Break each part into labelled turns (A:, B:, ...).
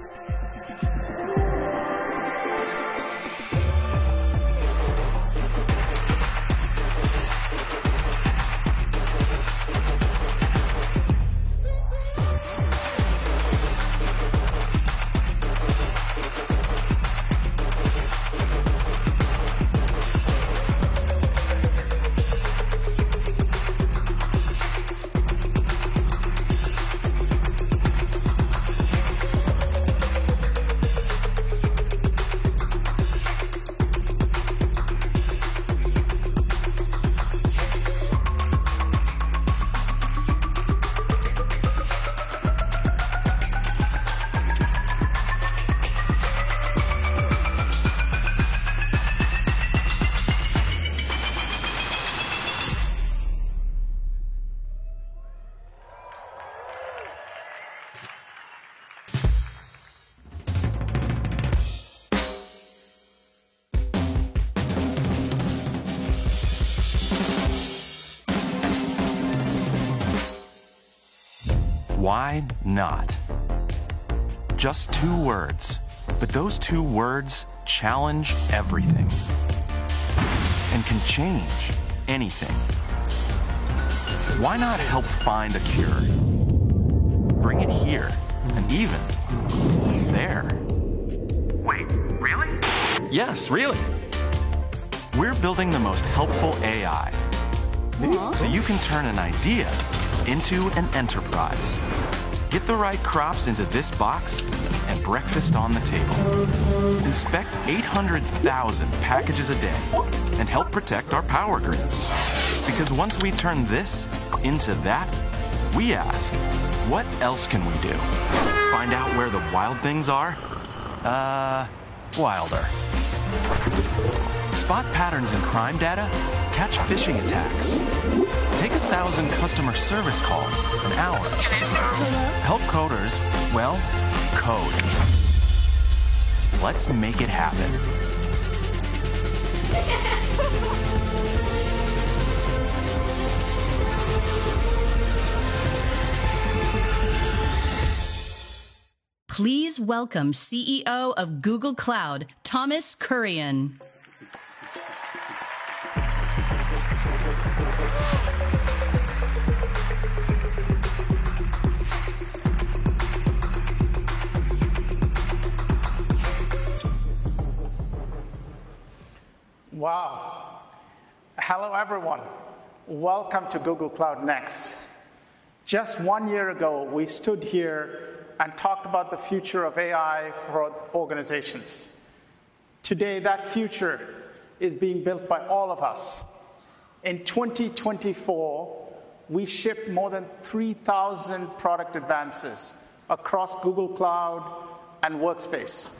A: Why not? Just two words, but those two words challenge everything and can change anything. Why not help find a cure? Bring it here and even there. Wait, really? Yes, really. We're building the most helpful AI so you can turn an idea into an enterprise. Get the right crops into this box and breakfast on the table. Inspect 800,000 packages a day and help protect our power grids. Because once we turn this into that, we ask, what else can we do? Find out where the wild things are, wilder. Spot patterns in crime data, catch phishing attacks, take 1,000 customer service calls an hour. Help coders, well, code. Let's make it happen.
B: Please welcome CEO of Google Cloud, Thomas Kurian.
C: Wow. Hello, everyone. Welcome to Google Cloud Next. Just one year ago, we stood here and talked about the future of AI for organizations. Today, that future is being built by all of us. In 2024, we shipped more than 3,000 product advances across Google Cloud and Workspace.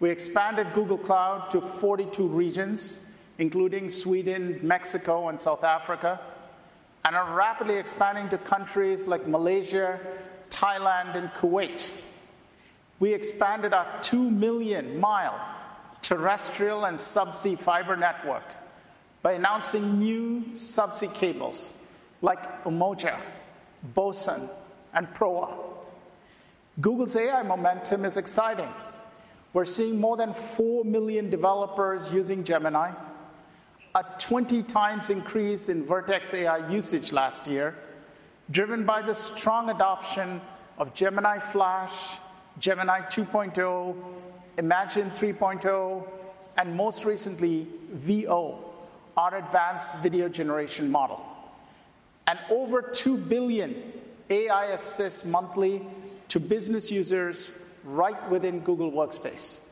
C: We expanded Google Cloud to 42 regions, including Sweden, Mexico, and South Africa, and are rapidly expanding to countries like Malaysia, Thailand, and Kuwait. We expanded our 2 million miles terrestrial and subsea fiber network by announcing new subsea cables like Umoja, Bosun, and Proa. Google's AI momentum is exciting. We're seeing more than 4 million developers using Gemini, a 20x increase in Vertex AI usage last year, driven by the strong adoption of Gemini Flash, Gemini 2.0, Imagen 3.0, and most recently, Veo, our advanced video generation model. Over 2 billion AI assists monthly to business users right within Google Workspace.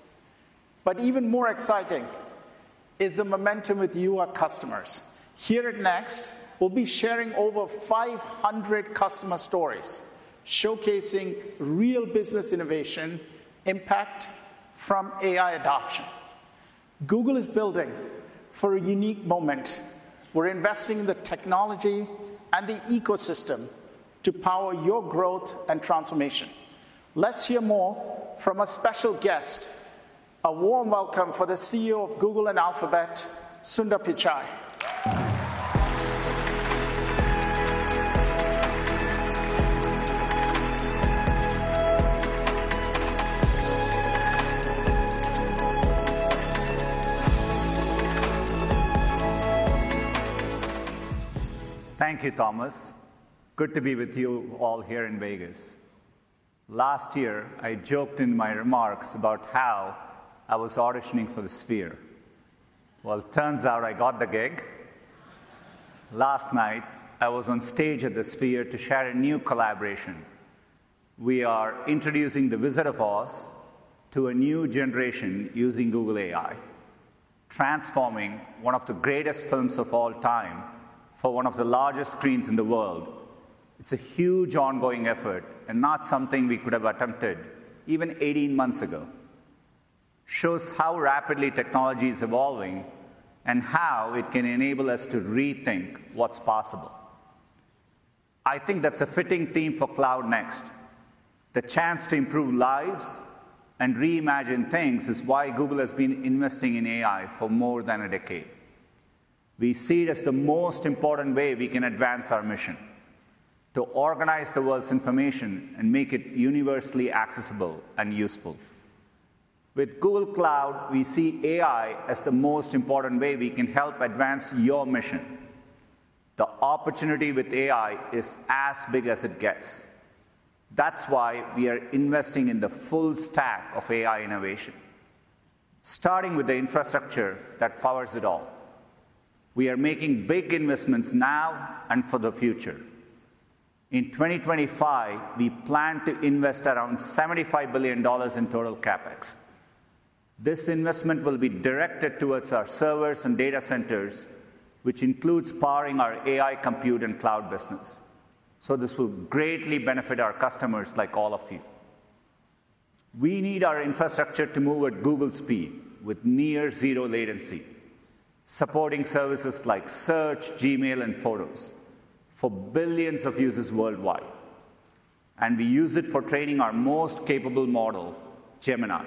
C: Even more exciting is the momentum with you, our customers. Here at Next, we'll be sharing over 500 customer stories, showcasing real business innovation impact from AI adoption. Google is building for a unique moment. We're investing in the technology and the ecosystem to power your growth and transformation. Let's hear more from a special guest. A warm welcome for the CEO of Google and Alphabet, Sundar Pichai.
D: Thank you, Thomas. Good to be with you all here in Vegas. Last year, I joked in my remarks about how I was auditioning for The Sphere. It turns out I got the gig. Last night, I was on stage at The Sphere to share a new collaboration. We are introducing "The Wizard of Oz" to a new generation using Google AI, transforming one of the greatest films of all time for one of the largest screens in the world. It is a huge ongoing effort and not something we could have attempted even 18 months ago. It shows how rapidly technology is evolving and how it can enable us to rethink what is possible. I think that is a fitting theme for Cloud Next. The chance to improve lives and reimagine things is why Google has been investing in AI for more than a decade. We see it as the most important way we can advance our mission, to organize the world's information and make it universally accessible and useful. With Google Cloud, we see AI as the most important way we can help advance your mission. The opportunity with AI is as big as it gets. That is why we are investing in the full stack of AI innovation, starting with the infrastructure that powers it all. We are making big investments now and for the future. In 2025, we plan to invest around $75 billion in total CapEx. This investment will be directed towards our servers and data centers, which includes powering our AI compute and cloud business. This will greatly benefit our customers like all of you. We need our infrastructure to move at Google speed with near-zero latency, supporting services like Search, Gmail, and Photos for billions of users worldwide. We use it for training our most capable model, Gemini.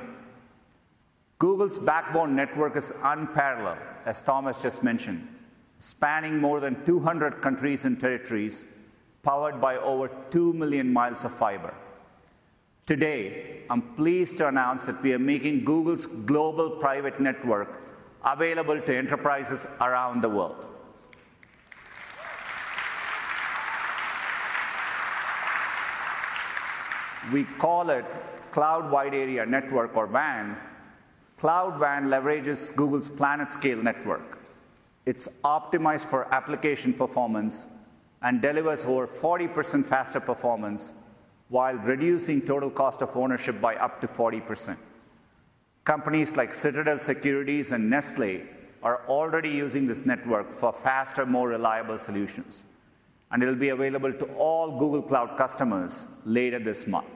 D: Google's backbone network is unparalleled, as Thomas just mentioned, spanning more than 200 countries and territories, powered by over 2 million miles of fiber. Today, I'm pleased to announce that we are making Google's global private network available to enterprises around the world. We call it Cloud Wide Area Network, or WAN. Cloud WAN leverages Google's planet-scale network. It's optimized for application performance and delivers over 40% faster performance while reducing total cost of ownership by up to 40%. Companies like Citadel Securities and Nestlé are already using this network for faster, more reliable solutions. It'll be available to all Google Cloud customers later this month.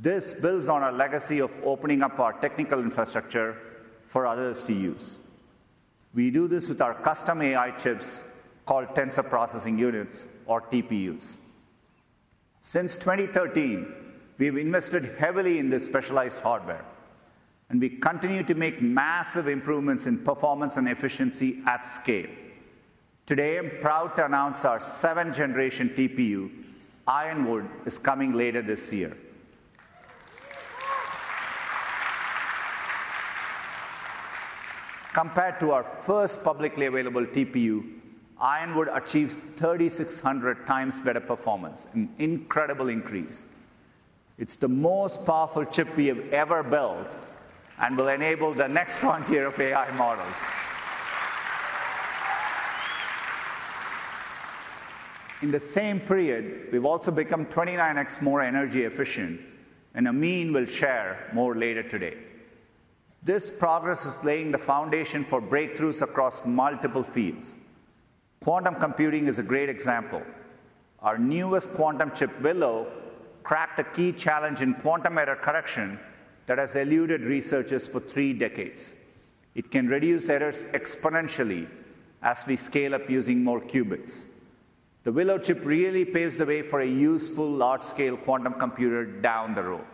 D: This builds on our legacy of opening up our technical infrastructure for others to use. We do this with our custom AI chips called Tensor Processing Units, or TPUs. Since 2013, we've invested heavily in this specialized hardware. We continue to make massive improvements in performance and efficiency at scale. Today, I'm proud to announce our seventh-generation TPU, Ironwood, is coming later this year. Compared to our first publicly available TPU, Ironwood achieves 3,600x better performance, an incredible increase. It's the most powerful chip we have ever built and will enable the next frontier of AI models. In the same period, we've also become 29x more energy efficient, and Amin will share more later today. This progress is laying the foundation for breakthroughs across multiple fields. Quantum computing is a great example. Our newest quantum chip, Willow, cracked a key challenge in quantum error correction that has eluded researchers for three decades. It can reduce errors exponentially as we scale up using more qubits. The Willow chip really paves the way for a useful large-scale quantum computer down the road.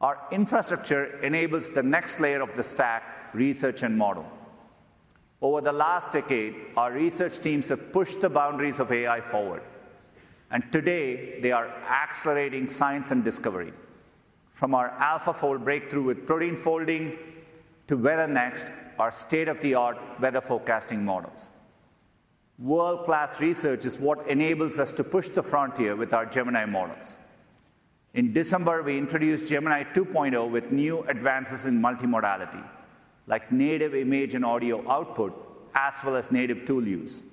D: Our infrastructure enables the next layer of the stack, research and model. Over the last decade, our research teams have pushed the boundaries of AI forward. Today, they are accelerating science and discovery, from our AlphaFold breakthrough with protein folding to WeatherNext, our state-of-the-art weather forecasting models. World-class research is what enables us to push the frontier with our Gemini models. In December, we introduced Gemini 2.0 with new advances in multimodality, like native image and audio output, as well as native tool use.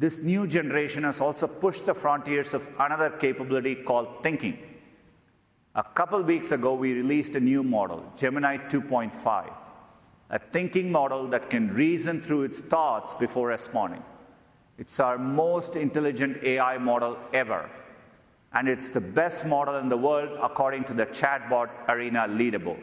D: This new generation has also pushed the frontiers of another capability called thinking. A couple of weeks ago, we released a new model, Gemini 2.5, a thinking model that can reason through its thoughts before responding. It's our most intelligent AI model ever. It is the best model in the world, according to the Chatbot Arena Leaderboard.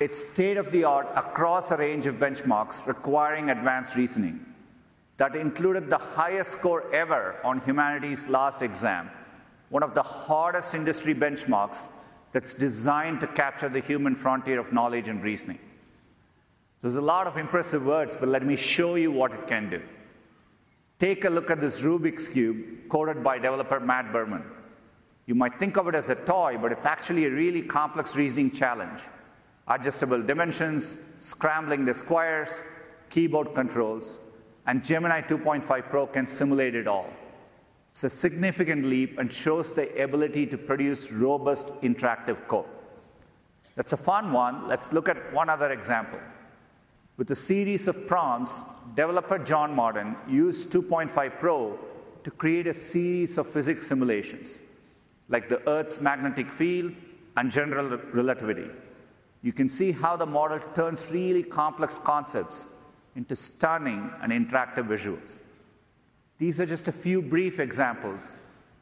D: It is state-of-the-art across a range of benchmarks requiring advanced reasoning. That included the highest score ever on Humanity's Last Exam, one of the hardest industry benchmarks that is designed to capture the human frontier of knowledge and reasoning. There is a lot of impressive words, but let me show you what it can do. Take a look at this Rubik's Cube coded by developer Matt Berman. You might think of it as a toy, but it is actually a really complex reasoning challenge. Adjustable dimensions, scrambling the squares, keyboard controls, and Gemini 2.5 Pro can simulate it all. It is a significant leap and shows the ability to produce robust, interactive code. That is a fun one. Let's look at one other example. With a series of prompts, developer John Morden used 2.5 Pro to create a series of physics simulations, like the Earth's magnetic field and general relativity. You can see how the model turns really complex concepts into stunning and interactive visuals. These are just a few brief examples,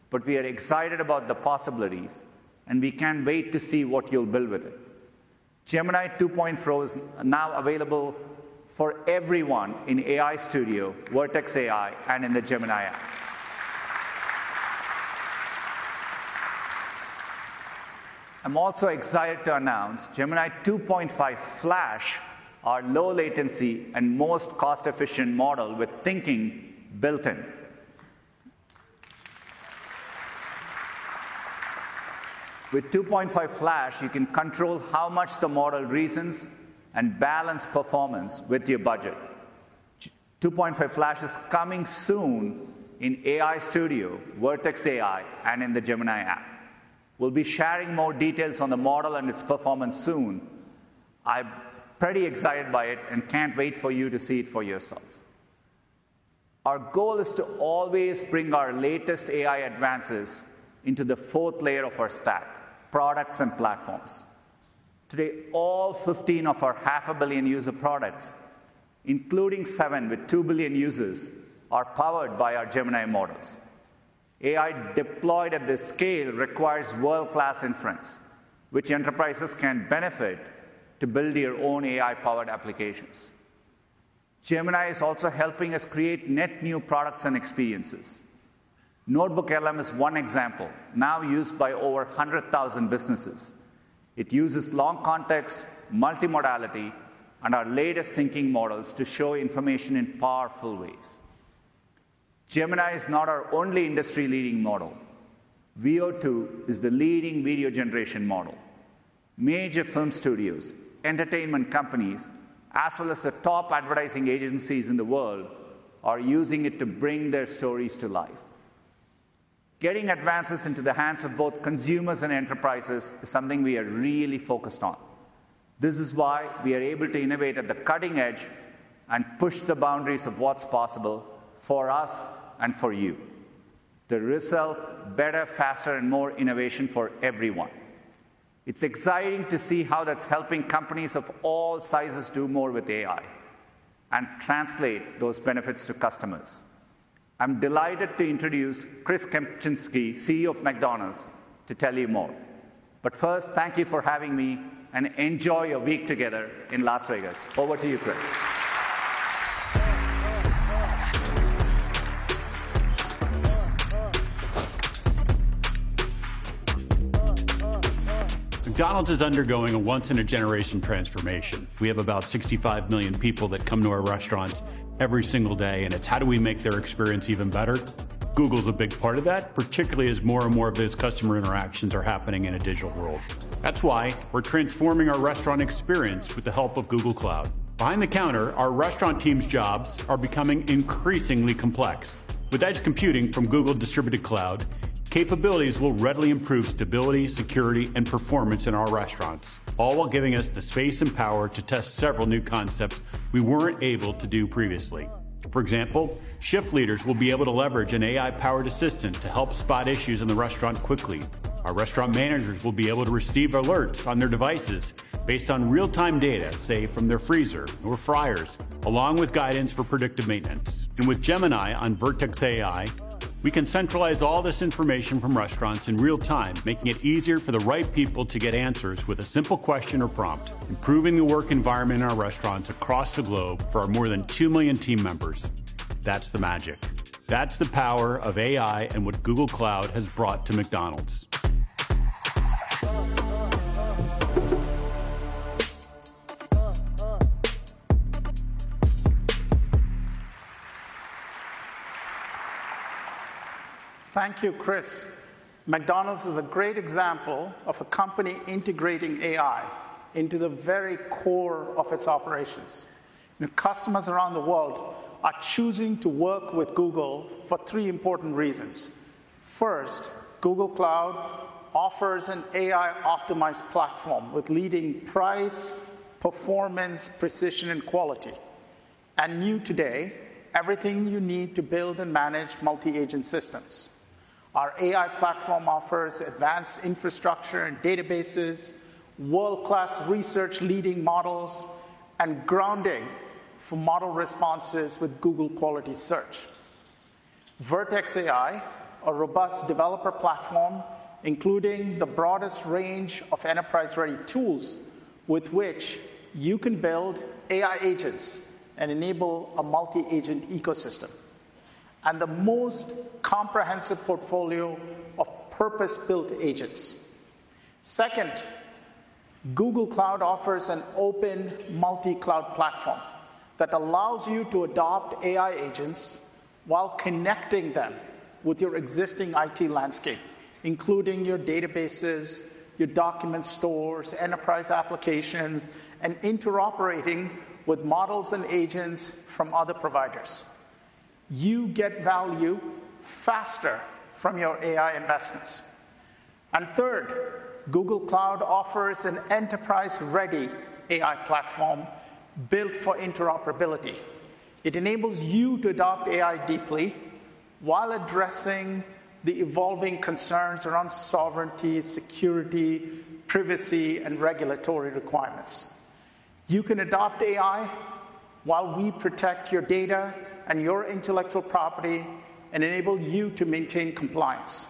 D: but we are excited about the possibilities, and we can't wait to see what you'll build with it. Gemini 2.0 is now available for everyone in AI Studio, Vertex AI, and in the Gemini app. I'm also excited to announce Gemini 2.5 Flash, our low-latency and most cost-efficient model with thinking built in. With 2.5 Flash, you can control how much the model reasons and balance performance with your budget. 2.5 Flash is coming soon in AI Studio, Vertex AI, and in the Gemini app. We'll be sharing more details on the model and its performance soon. I'm pretty excited by it and can't wait for you to see it for yourselves. Our goal is to always bring our latest AI advances into the fourth layer of our stack, products and platforms. Today, all 15 of our 500 million user products, including seven with 2 billion users, are powered by our Gemini models. AI deployed at this scale requires world-class inference, which enterprises can benefit to build your own AI-powered applications. Gemini is also helping us create net new products and experiences. NotebookLM is one example, now used by over 100,000 businesses. It uses long context, multimodality, and our latest thinking models to show information in powerful ways. Gemini is not our only industry-leading model. Veo 2 is the leading video generation model. Major film studios, entertainment companies, as well as the top advertising agencies in the world, are using it to bring their stories to life. Getting advances into the hands of both consumers and enterprises is something we are really focused on. This is why we are able to innovate at the cutting edge and push the boundaries of what's possible for us and for you. The result: better, faster, and more innovation for everyone. It's exciting to see how that's helping companies of all sizes do more with AI and translate those benefits to customers. I'm delighted to introduce Chris Kempczinski, CEO of McDonald's, to tell you more. First, thank you for having me, and enjoy a week together in Las Vegas. Over to you, Chris.
E: McDonald's is undergoing a once-in-a-generation transformation. We have about 65 million people that come to our restaurants every single day. It is how do we make their experience even better? Google's a big part of that, particularly as more and more of those customer interactions are happening in a digital world. That is why we're transforming our restaurant experience with the help of Google Cloud. Behind the counter, our restaurant team's jobs are becoming increasingly complex. With edge computing from Google Distributed Cloud, capabilities will readily improve stability, security, and performance in our restaurants, all while giving us the space and power to test several new concepts we were not able to do previously. For example, shift leaders will be able to leverage an AI-powered assistant to help spot issues in the restaurant quickly. Our restaurant managers will be able to receive alerts on their devices based on real-time data, say, from their freezer or fryers, along with guidance for predictive maintenance. With Gemini on Vertex AI, we can centralize all this information from restaurants in real-time, making it easier for the right people to get answers with a simple question or prompt, improving the work environment in our restaurants across the globe for our more than 2 million team members. That's the magic. That's the power of AI and what Google Cloud has brought to McDonald's.
C: Thank you, Chris. McDonald's is a great example of a company integrating AI into the very core of its operations. Customers around the world are choosing to work with Google for three important reasons. First, Google Cloud offers an AI-optimized platform with leading price, performance, precision, and quality. New today, everything you need to build and manage multi-agent systems. Our AI platform offers advanced infrastructure and databases, world-class research-leading models, and grounding for model responses with Google quality search. Vertex AI, a robust developer platform, including the broadest range of enterprise-ready tools with which you can build AI agents and enable a multi-agent ecosystem, and the most comprehensive portfolio of purpose-built agents. Second, Google Cloud offers an open multi-cloud platform that allows you to adopt AI agents while connecting them with your existing IT landscape, including your databases, your document stores, enterprise applications, and interoperating with models and agents from other providers. You get value faster from your AI investments. Third, Google Cloud offers an enterprise-ready AI platform built for interoperability. It enables you to adopt AI deeply while addressing the evolving concerns around sovereignty, security, privacy, and regulatory requirements. You can adopt AI while we protect your data and your intellectual property and enable you to maintain compliance.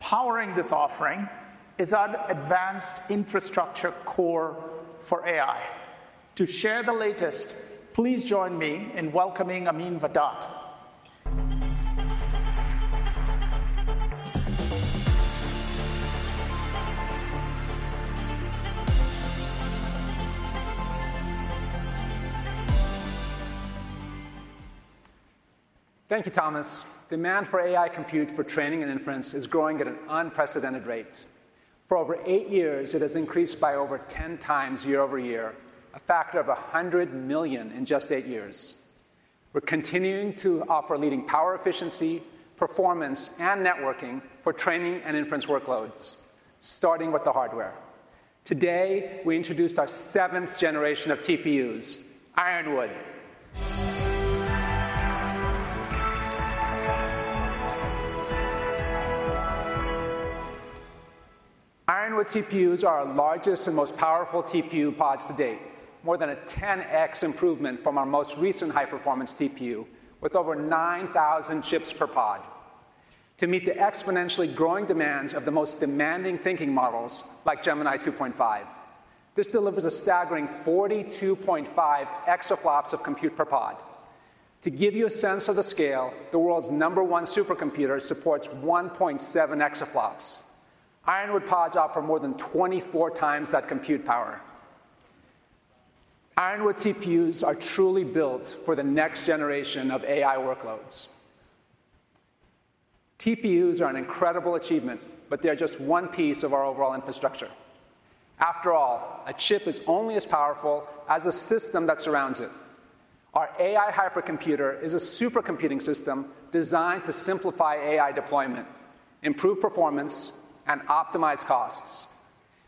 C: Powering this offering is our advanced infrastructure core for AI. To share the latest, please join me in welcoming Amin Vahdat.
F: Thank you, Thomas. Demand for AI compute for training and inference is growing at an unprecedented rate. For over eight years, it has increased by over 10x year-over-year, a factor of 100 million in just eight years. We're continuing to offer leading power efficiency, performance, and networking for training and inference workloads, starting with the hardware. Today, we introduced our seventh generation of TPUs, Ironwood. Ironwood TPUs are our largest and most powerful TPU pods to date, more than a 10x improvement from our most recent high-performance TPU, with over 9,000 chips per pod, to meet the exponentially growing demands of the most demanding thinking models like Gemini 2.5. This delivers a staggering 42.5 exaflops of compute per pod. To give you a sense of the scale, the world's number one supercomputer supports 1.7 exaflops. Ironwood pods offer more than 24x that compute power. Ironwood TPUs are truly built for the next generation of AI workloads. TPUs are an incredible achievement, but they are just one piece of our overall infrastructure. After all, a chip is only as powerful as the system that surrounds it. Our AI Hypercomputer is a supercomputing system designed to simplify AI deployment, improve performance, and optimize costs.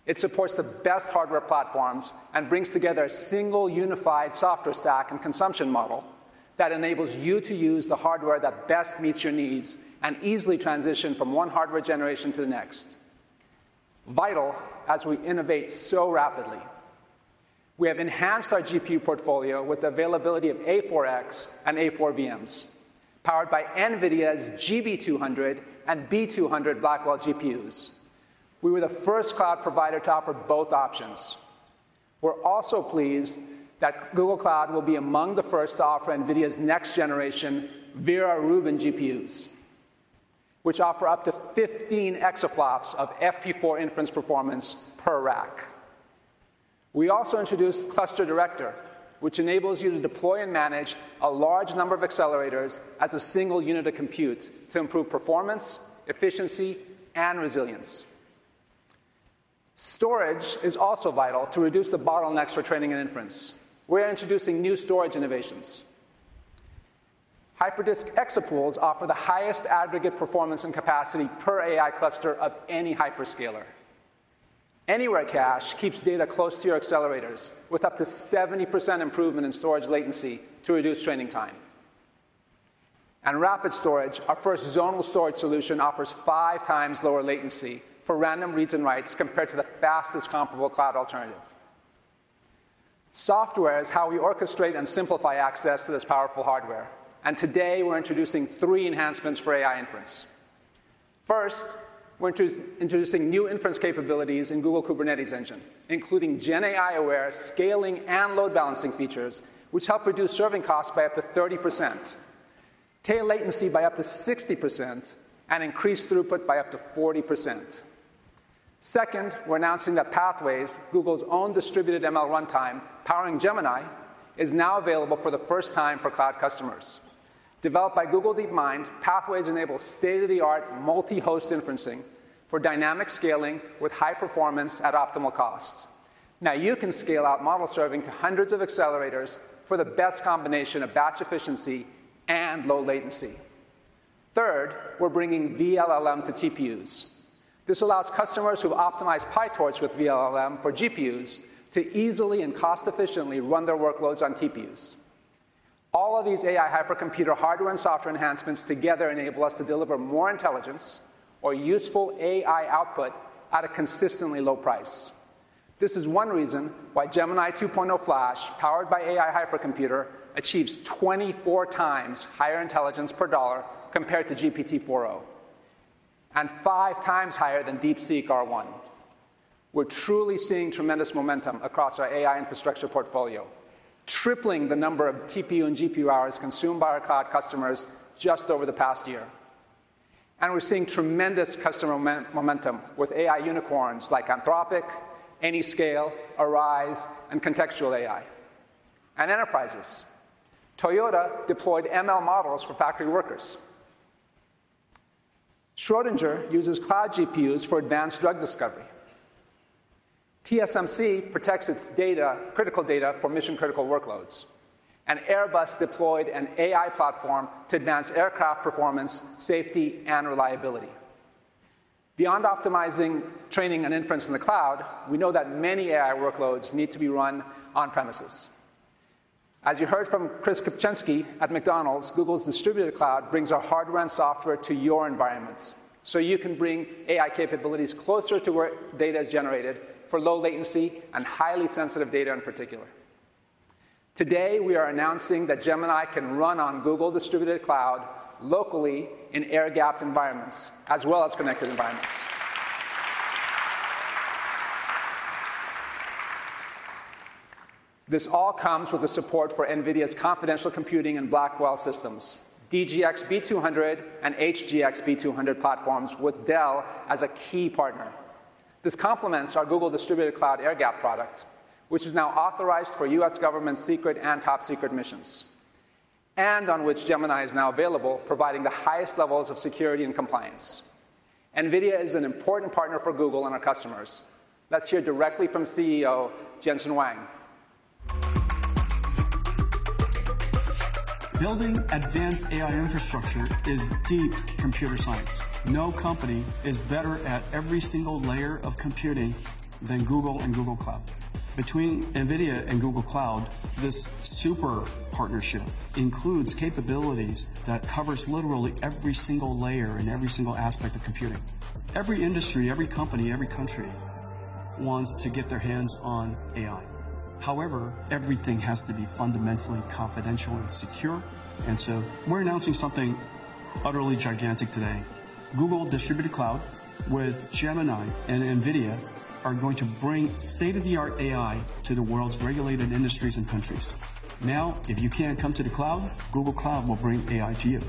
F: It supports the best hardware platforms and brings together a single unified software stack and consumption model that enables you to use the hardware that best meets your needs and easily transition from one hardware generation to the next. Vital, as we innovate so rapidly. We have enhanced our GPU portfolio with the availability of A4 and A4X VMs, powered by NVIDIA's GB200 and B200 Blackwell GPUs. We were the first cloud provider to offer both options. We're also pleased that Google Cloud will be among the first to offer NVIDIA's next-generation Vera Rubin GPUs, which offer up to 15 exaflops of FP4 inference performance per rack. We also introduced Cluster Director, which enables you to deploy and manage a large number of accelerators as a single unit of compute to improve performance, efficiency, and resilience. Storage is also vital to reduce the bottlenecks for training and inference. We're introducing new storage innovations. Hyperdisk Exapools offer the highest aggregate performance and capacity per AI cluster of any hyperscaler. Anywhere Cache keeps data close to your accelerators with up to 70% improvement in storage latency to reduce training time. Rapid Storage, our first zonal storage solution, offers 5x lower latency for random reads and writes compared to the fastest comparable cloud alternative. Software is how we orchestrate and simplify access to this powerful hardware. Today, we're introducing three enhancements for AI inference. First, we're introducing new inference capabilities in Google Kubernetes Engine, including GenAI-aware scaling and load balancing features, which help reduce serving costs by up to 30%, tail latency by up to 60%, and increase throughput by up to 40%. Second, we're announcing that Pathways, Google's own distributed ML runtime powering Gemini, is now available for the first time for cloud customers. Developed by Google DeepMind, Pathways enables state-of-the-art multi-host inferencing for dynamic scaling with high performance at optimal costs. Now you can scale out model serving to hundreds of accelerators for the best combination of batch efficiency and low latency. Third, we're bringing vLLM to TPUs. This allows customers who optimize PyTorch with vLLM for GPUs to easily and cost-efficiently run their workloads on TPUs. All of these AI Hypercomputer hardware and software enhancements together enable us to deliver more intelligence or useful AI output at a consistently low price. This is one reason why Gemini 2.0 Flash, powered by AI Hypercomputer, achieves 24x higher intelligence per dollar compared to GPT‑4o and 5x higher than DeepSeek R1. We are truly seeing tremendous momentum across our AI infrastructure portfolio, tripling the number of TPU and GPU hours consumed by our cloud customers just over the past year. We are seeing tremendous customer momentum with AI unicorns like Anthropic, Anyscale, Arize, and Contextual AI. Enterprises: Toyota deployed ML models for factory workers. Schrödinger uses cloud GPUs for advanced drug discovery. TSMC protects its critical data for mission-critical workloads. Airbus deployed an AI platform to advance aircraft performance, safety, and reliability. Beyond optimizing training and inference in the cloud, we know that many AI workloads need to be run on-premises. As you heard from Chris Kempczinski at McDonald's, Google's Distributed Cloud brings our hardware and software to your environments so you can bring AI capabilities closer to where data is generated for low latency and highly sensitive data in particular. Today, we are announcing that Gemini can run on Google Distributed Cloud locally in air-gapped environments, as well as connected environments. This all comes with the support for NVIDIA's confidential computing and Blackwell systems, DGX B200 and HGX B200 platforms with Dell as a key partner. This complements our Google Distributed Cloud air-gapped product, which is now authorized for U.S. government secret and top secret missions, and on which Gemini is now available, providing the highest levels of security and compliance. NVIDIA is an important partner for Google and our customers. Let's hear directly from CEO Jensen Huang.
G: Building advanced AI infrastructure is deep computer science. No company is better at every single layer of computing than Google and Google Cloud. Between NVIDIA and Google Cloud, this super partnership includes capabilities that cover literally every single layer and every single aspect of computing. Every industry, every company, every country wants to get their hands on AI. However, everything has to be fundamentally confidential and secure. We are announcing something utterly gigantic today. Google Distributed Cloud with Gemini and NVIDIA are going to bring state-of-the-art AI to the world's regulated industries and countries. Now, if you can't come to the cloud, Google Cloud will bring AI to you.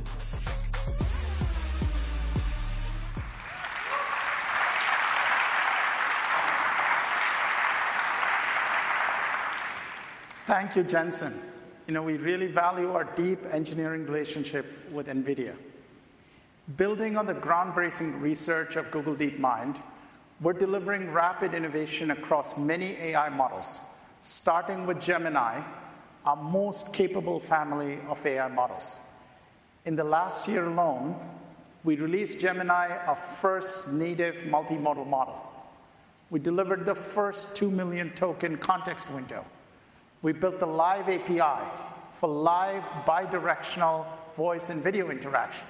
C: Thank you, Jensen. You know, we really value our deep engineering relationship with NVIDIA. Building on the groundbreaking research of Google DeepMind, we're delivering rapid innovation across many AI models, starting with Gemini, our most capable family of AI models. In the last year alone, we released Gemini, our first native multimodal model. We delivered the first 2 million token context window. We built the live API for live bidirectional voice and video interaction,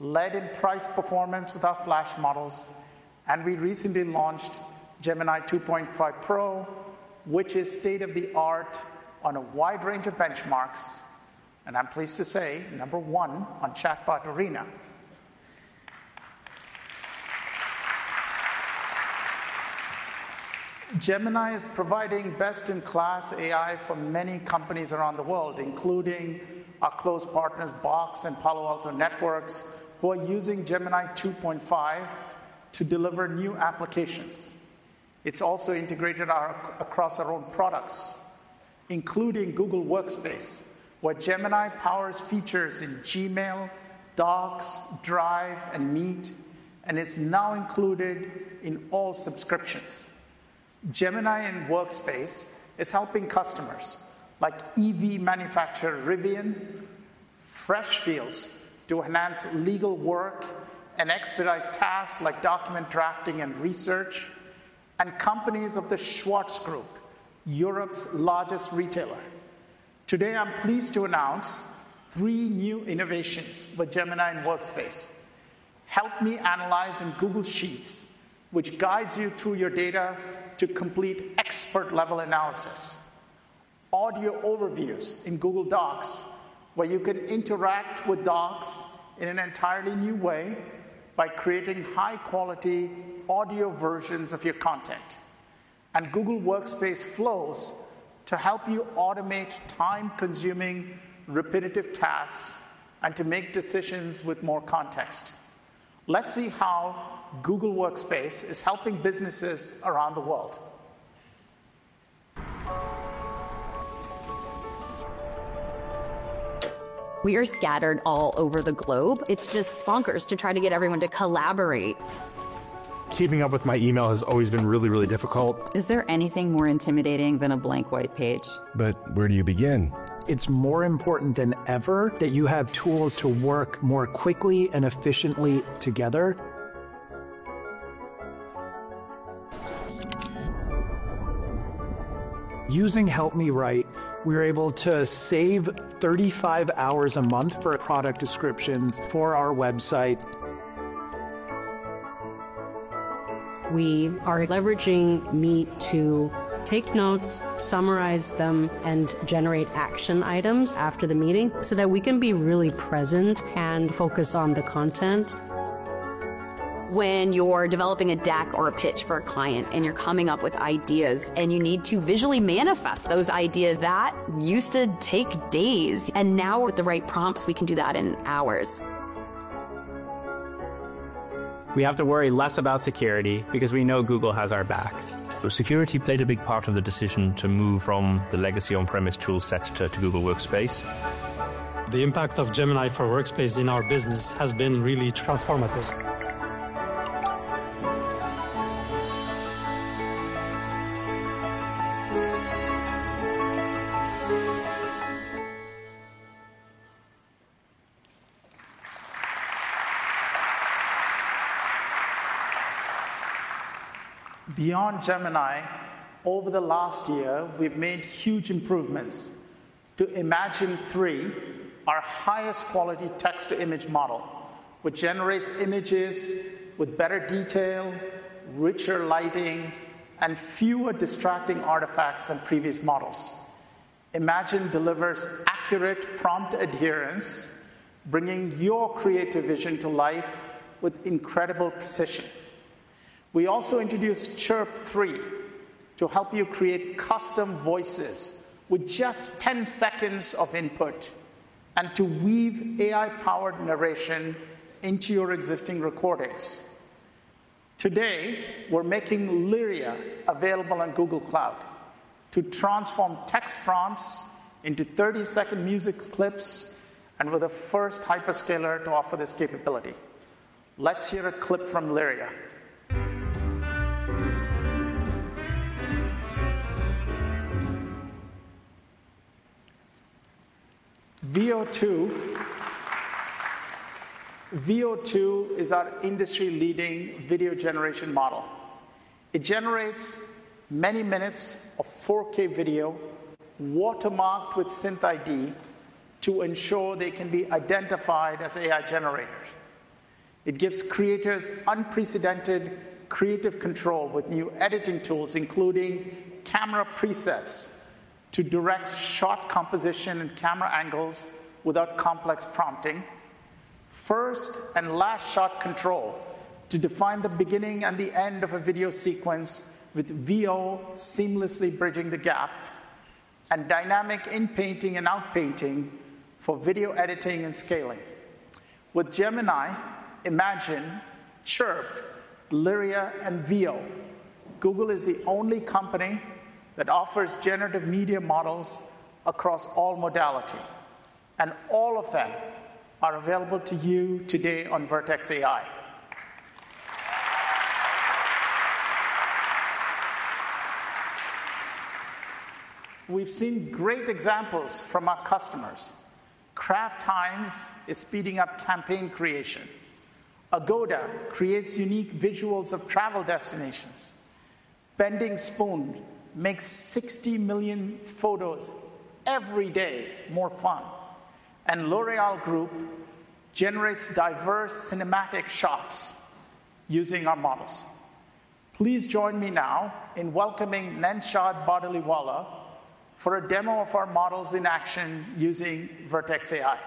C: led in price performance with our flash models. We recently launched Gemini 2.5 Pro, which is state-of-the-art on a wide range of benchmarks. I'm pleased to say number one on Chatbot Arena. Gemini is providing best-in-class AI for many companies around the world, including our close partners, Box and Palo Alto Networks, who are using Gemini 2.5 to deliver new applications. It's also integrated across our own products, including Google Workspace, where Gemini powers features in Gmail, Docs, Drive, and Meet, and is now included in all subscriptions. Gemini and Workspace is helping customers like EV manufacturer Rivian, Freshfields, to enhance legal work and expedite tasks like document drafting and research, and companies of the Schwarz Group, Europe's largest retailer. Today, I'm pleased to announce three new innovations with Gemini and Workspace. Help Me Analyze in Google Sheets, which guides you through your data to complete expert-level analysis. Audio Overviews in Google Docs, where you can interact with Docs in an entirely new way by creating high-quality audio versions of your content. Google Workspace Flows help you automate time-consuming, repetitive tasks and to make decisions with more context. Let's see how Google Workspace is helping businesses around the world.
A: We are scattered all over the globe. It's just bonkers to try to get everyone to collaborate. Keeping up with my email has always been really, really difficult. Is there anything more intimidating than a blank white page? Where do you begin? It's more important than ever that you have tools to work more quickly and efficiently together. Using Help Me Write, we were able to save 35 hours a month for product descriptions for our website. We are leveraging Meet to take notes, summarize them, and generate action items after the meeting so that we can be really present and focus on the content. When you're developing a deck or a pitch for a client and you're coming up with ideas and you need to visually manifest those ideas, that used to take days, and now with the right prompts, we can do that in hours. We have to worry less about security because we know Google has our back. Security played a big part of the decision to move from the legacy on-premise tool set to Google Workspace. The impact of Gemini for Workspace in our business has been really transformative.
C: Beyond Gemini, over the last year, we've made huge improvements to Imagen 3, our highest quality text-to-image model, which generates images with better detail, richer lighting, and fewer distracting artifacts than previous models. Imagen delivers accurate prompt adherence, bringing your creative vision to life with incredible precision. We also introduced Chirp 3 to help you create custom voices with just 10 seconds of input and to weave AI-powered narration into your existing recordings. Today, we're making Lyria available on Google Cloud to transform text prompts into 30-second music clips and we're the first hyperscaler to offer this capability. Let's hear a clip from Lyria. Veo 2. Veo 2 is our industry-leading video generation model. It generates many minutes of 4K video watermarked with SynthID to ensure they can be identified as AI generated. It gives creators unprecedented creative control with new editing tools, including camera presets to direct shot composition and camera angles without complex prompting, first and last shot control to define the beginning and the end of a video sequence with Veo seamlessly bridging the gap, and dynamic inpainting and outpainting for video editing and scaling. With Gemini, Imagen, Chirp, Lyria, and Veo, Google is the only company that offers generative media models across all modality. All of them are available to you today on Vertex AI. We've seen great examples from our customers. Kraft Heinz is speeding up campaign creation. Agoda creates unique visuals of travel destinations. Bending Spoons makes 60 million photos every day more fun. L'Oréal Group generates diverse cinematic shots using our models. Please join me now in welcoming Nenshad Bardoliwalla for a demo of our models in action using Vertex AI.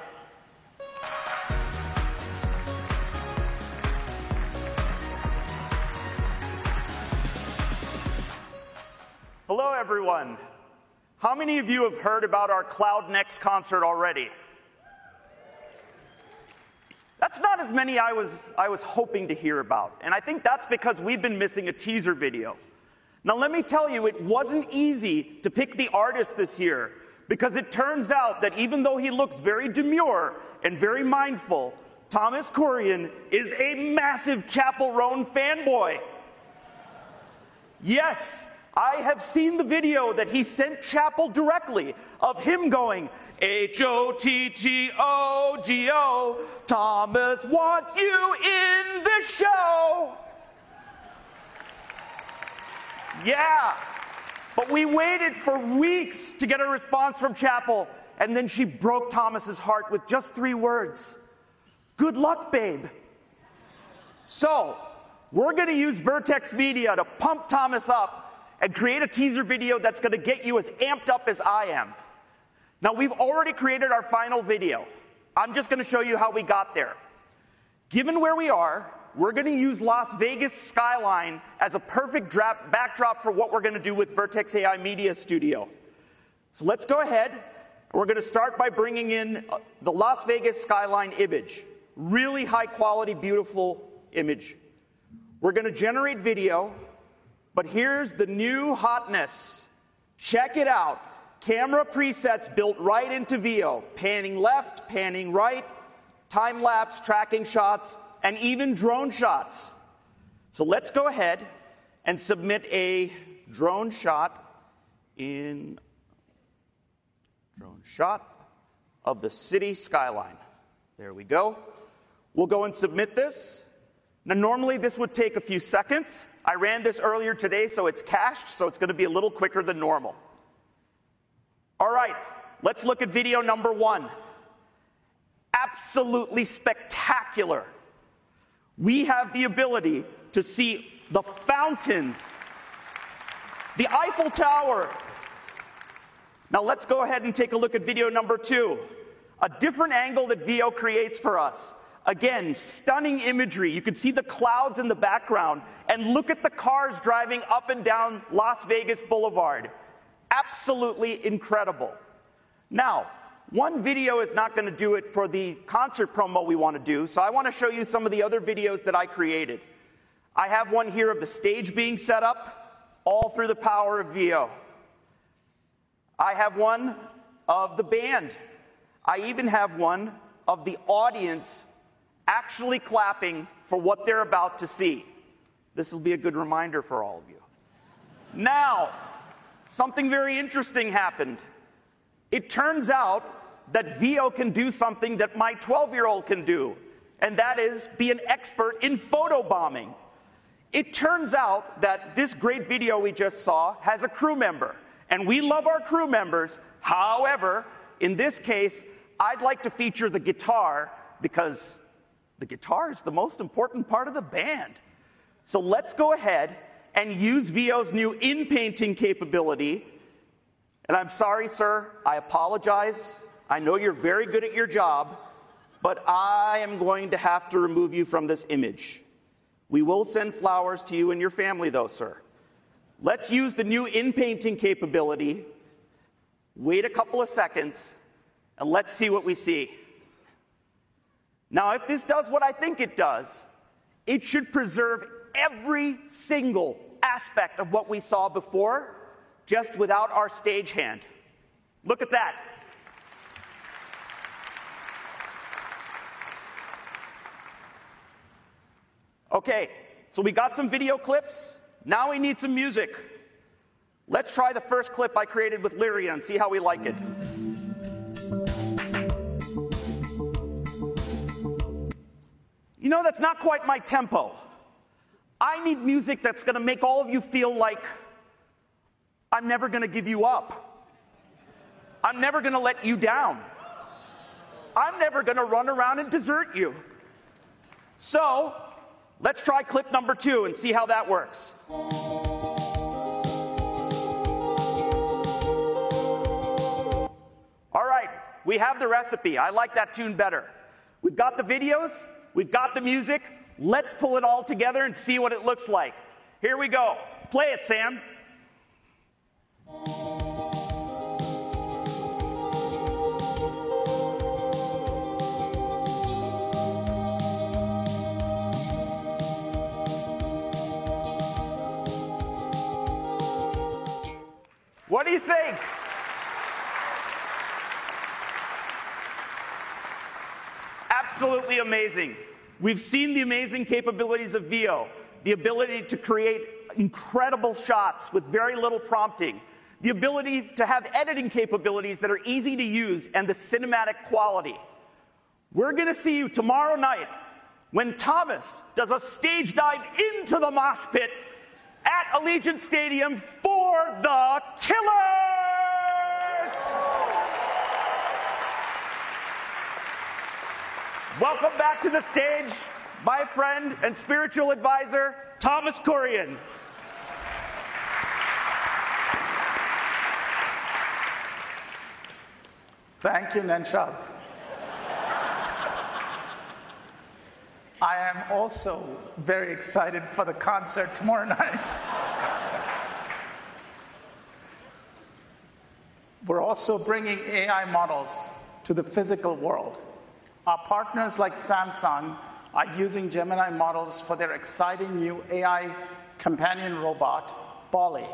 H: Hello, everyone. How many of you have heard about our Cloud Next concert already? That's not as many I was hoping to hear about. I think that's because we've been missing a teaser video. Now, let me tell you, it wasn't easy to pick the artist this year because it turns out that even though he looks very demure and very mindful, Thomas Kurian is a massive Chappell Roan fanboy. Yes, I have seen the video that he sent Chappell directly of him going, "H-O-T-T-O-G-O, Thomas wants you in the show." Yeah. We waited for weeks to get a response from Chappell. She broke Thomas' heart with just three words. Good luck, babe. We're going to use Vertex Media to pump Thomas up and create a teaser video that's going to get you as amped up as I am. We've already created our final video. I'm just going to show you how we got there. Given where we are, we're going to use Las Vegas skyline as a perfect backdrop for what we're going to do with Vertex AI Media Studio. Let's go ahead. We're going to start by bringing in the Las Vegas skyline image. Really high-quality, beautiful image. We're going to generate video. Here's the new hotness. Check it out. Camera presets built right into Veo. Panning left, panning right, time-lapse, tracking shots, and even drone shots. Let's go ahead and submit a drone shot of the city skyline. There we go. We'll go and submit this. Now, normally, this would take a few seconds. I ran this earlier today, so it's cached. It's going to be a little quicker than normal. All right. Let's look at video number one. Absolutely spectacular. We have the ability to see the fountains, the Eiffel Tower. Now, let's go ahead and take a look at video number two. A different angle that Veo creates for us. Again, stunning imagery. You can see the clouds in the background. Look at the cars driving up and down Las Vegas Boulevard. Absolutely incredible. Now, one video is not going to do it for the concert promo we want to do. I want to show you some of the other videos that I created. I have one here of the stage being set up all through the power of Veo. I have one of the band. I even have one of the audience actually clapping for what they're about to see. This will be a good reminder for all of you. Now, something very interesting happened. It turns out that Veo can do something that my 12-year-old can do. That is be an expert in photobombing. It turns out that this great video we just saw has a crew member. We love our crew members. However, in this case, I'd like to feature the guitar because the guitar is the most important part of the band. Let's go ahead and use Veo's new inpainting capability. I'm sorry, sir. I apologize. I know you're very good at your job. I am going to have to remove you from this image. We will send flowers to you and your family, though, sir. Let's use the new inpainting capability. Wait a couple of seconds. Let's see what we see. Now, if this does what I think it does, it should preserve every single aspect of what we saw before just without our stagehand. Look at that. OK. So we got some video clips. Now we need some music. Let's try the first clip I created with Lyria and see how we like it. You know, that's not quite my tempo. I need music that's going to make all of you feel like I'm never going to give you up. I'm never going to let you down. I'm never going to run around and desert you. Let's try clip number two and see how that works. All right. We have the recipe. I like that tune better. We've got the videos. We've got the music. Let's pull it all together and see what it looks like. Here we go. Play it, Sam. What do you think? Absolutely amazing. We've seen the amazing capabilities of Veo, the ability to create incredible shots with very little prompting, the ability to have editing capabilities that are easy to use, and the cinematic quality. We're going to see you tomorrow night when Thomas does a stage dive into the mosh pit at Allegiant Stadium for the Killers. Welcome back to the stage, my friend and spiritual advisor, Thomas Kurian.
C: Thank you, Nenshad. I am also very excited for the concert tomorrow night. We're also bringing AI models to the physical world. Our partners like Samsung are using Gemini models for their exciting new AI companion robot, Ballie.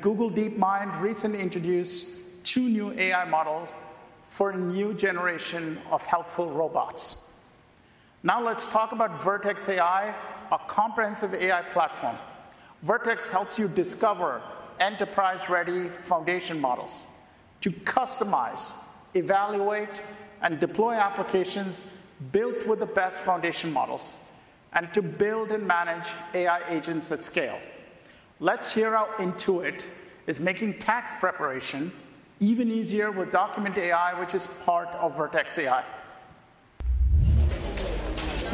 C: Google DeepMind recently introduced two new AI models for a new generation of helpful robots. Now, let's talk about Vertex AI, a comprehensive AI platform. Vertex helps you discover enterprise-ready foundation models to customize, evaluate, and deploy applications built with the best foundation models and to build and manage AI agents at scale. Let's hear how Intuit is making tax preparation even easier with Document AI, which is part of Vertex AI.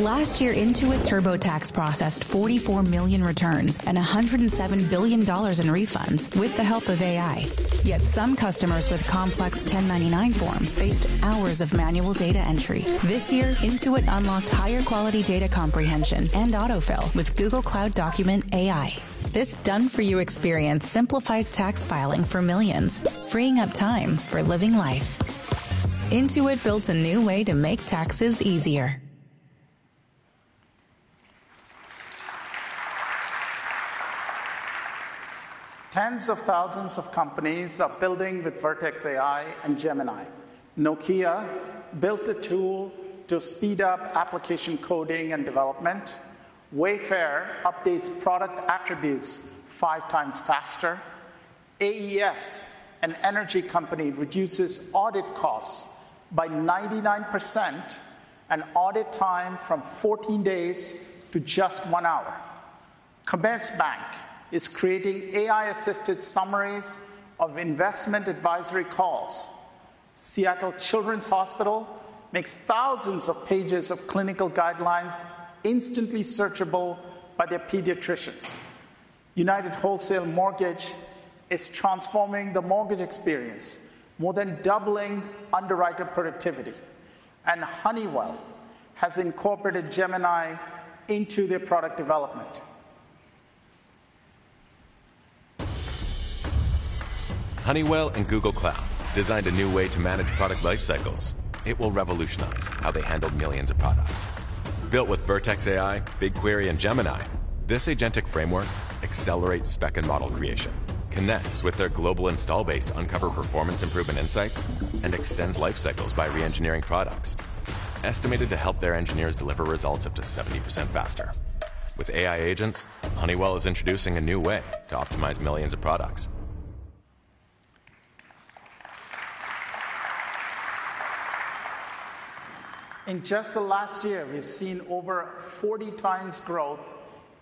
A: Last year, Intuit TurboTax processed 44 million returns and $107 billion in refunds with the help of AI. Yet some customers with complex 1099 forms faced hours of manual data entry. This year, Intuit unlocked higher-quality data comprehension and autofill with Google Cloud Document AI. This done-for-you experience simplifies tax filing for millions, freeing up time for living life. Intuit builds a new way to make taxes easier.
C: Tens of thousands of companies are building with Vertex AI and Gemini. Nokia built a tool to speed up application coding and development. Wayfair updates product attributes 5x faster. AES, an energy company, reduces audit costs by 99% and audit time from 14 days to just one hour. Commerzbank is creating AI-assisted summaries of investment advisory calls. Seattle Children's Hospital makes thousands of pages of clinical guidelines instantly searchable by their pediatricians. United Wholesale Mortgage is transforming the mortgage experience, more than doubling underwriter productivity. Honeywell has incorporated Gemini into their product development.
A: Honeywell and Google Cloud designed a new way to manage product lifecycles. It will revolutionize how they handle millions of products. Built with Vertex AI, BigQuery, and Gemini, this agentic framework accelerates spec and model creation, connects with their global install base to uncover performance improvement insights, and extends lifecycles by re-engineering products, estimated to help their engineers deliver results up to 70% faster. With AI agents, Honeywell is introducing a new way to optimize millions of products.
C: In just the last year, we've seen over 40x growth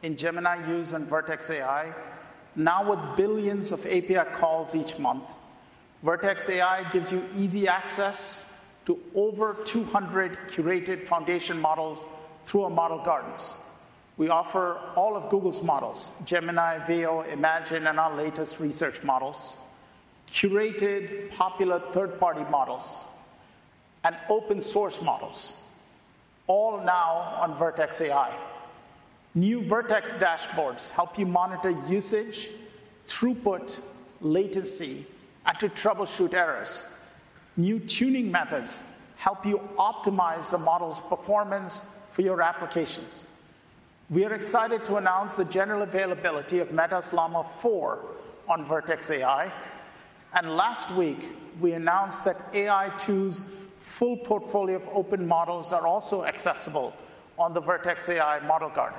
C: in Gemini use and Vertex AI, now with billions of API calls each month. Vertex AI gives you easy access to over 200 curated foundation models through our model gardens. We offer all of Google's models: Gemini, Veo, Imagen, and our latest research models, curated popular third-party models, and open-source models, all now on Vertex AI. New Vertex dashboards help you monitor usage, throughput, latency, and to troubleshoot errors. New tuning methods help you optimize the model's performance for your applications. We are excited to announce the general availability of Meta's Llama 4 on Vertex AI. Last week, we announced that AI21 Labs' full portfolio of open models are also accessible on the Vertex AI model garden.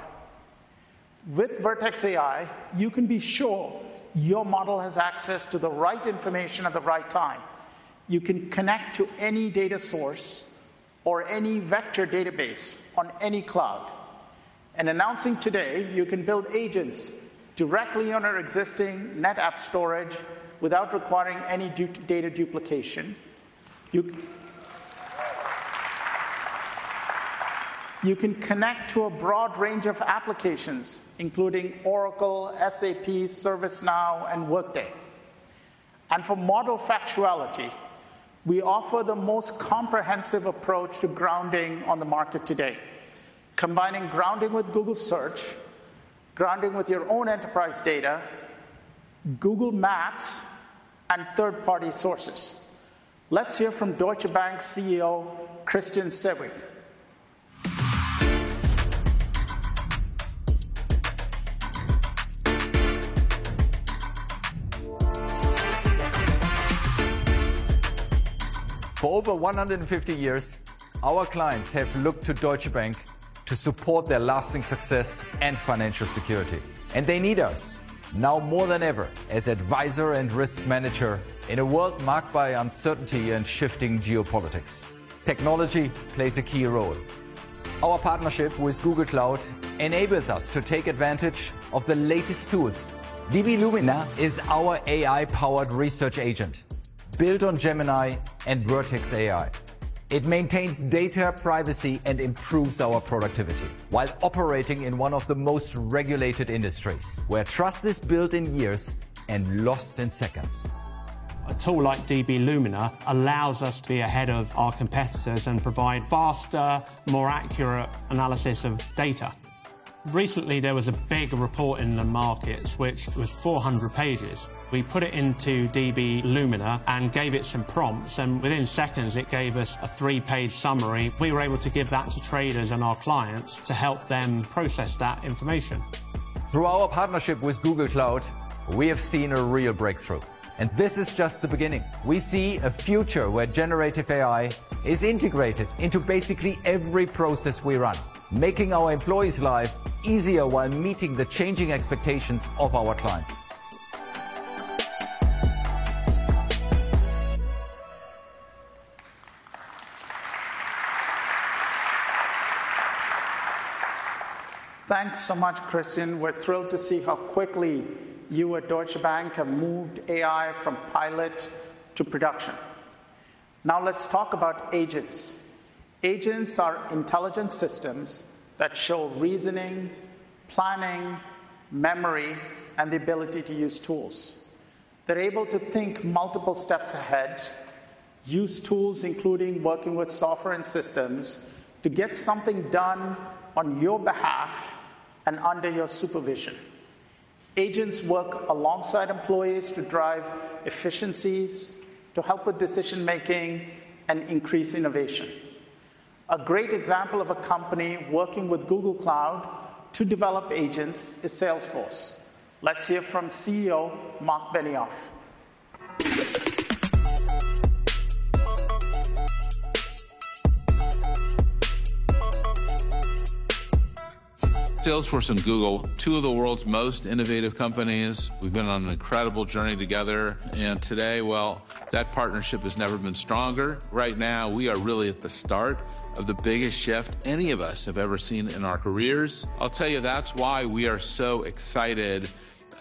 C: With Vertex AI, you can be sure your model has access to the right information at the right time. You can connect to any data source or any vector database on any cloud. Announcing today, you can build agents directly on our existing NetApp storage without requiring any data duplication. You can connect to a broad range of applications, including Oracle, SAP, ServiceNow, and Workday. For model factuality, we offer the most comprehensive approach to grounding on the market today, combining grounding with Google Search, grounding with your own enterprise data, Google Maps, and third-party sources. Let's hear from Deutsche Bank CEO Christian Sewing.
I: For over 150 years, our clients have looked to Deutsche Bank to support their lasting success and financial security. They need us now more than ever as advisor and risk manager in a world marked by uncertainty and shifting geopolitics. Technology plays a key role. Our partnership with Google Cloud enables us to take advantage of the latest tools. DB Lumina is our AI-powered research agent built on Gemini and Vertex AI. It maintains data privacy and improves our productivity while operating in one of the most regulated industries, where trust is built in years and lost in seconds. A tool like DB Lumina allows us to be ahead of our competitors and provide faster, more accurate analysis of data. Recently, there was a big report in the markets, which was 400 pages. We put it into DB Lumina and gave it some prompts. Within seconds, it gave us a three-page summary. We were able to give that to traders and our clients to help them process that information. Through our partnership with Google Cloud, we have seen a real breakthrough. This is just the beginning. We see a future where generative AI is integrated into basically every process we run, making our employees' lives easier while meeting the changing expectations of our clients.
C: Thanks so much, Christian. We're thrilled to see how quickly you at Deutsche Bank have moved AI from pilot to production. Now, let's talk about agents. Agents are intelligent systems that show reasoning, planning, memory, and the ability to use tools. They're able to think multiple steps ahead, use tools, including working with software and systems, to get something done on your behalf and under your supervision. Agents work alongside employees to drive efficiencies, to help with decision-making, and increase innovation. A great example of a company working with Google Cloud to develop agents is Salesforce. Let's hear from CEO Marc Benioff.
J: Salesforce and Google, two of the world's most innovative companies. We've been on an incredible journey together. Today, that partnership has never been stronger. Right now, we are really at the start of the biggest shift any of us have ever seen in our careers. I'll tell you, that's why we are so excited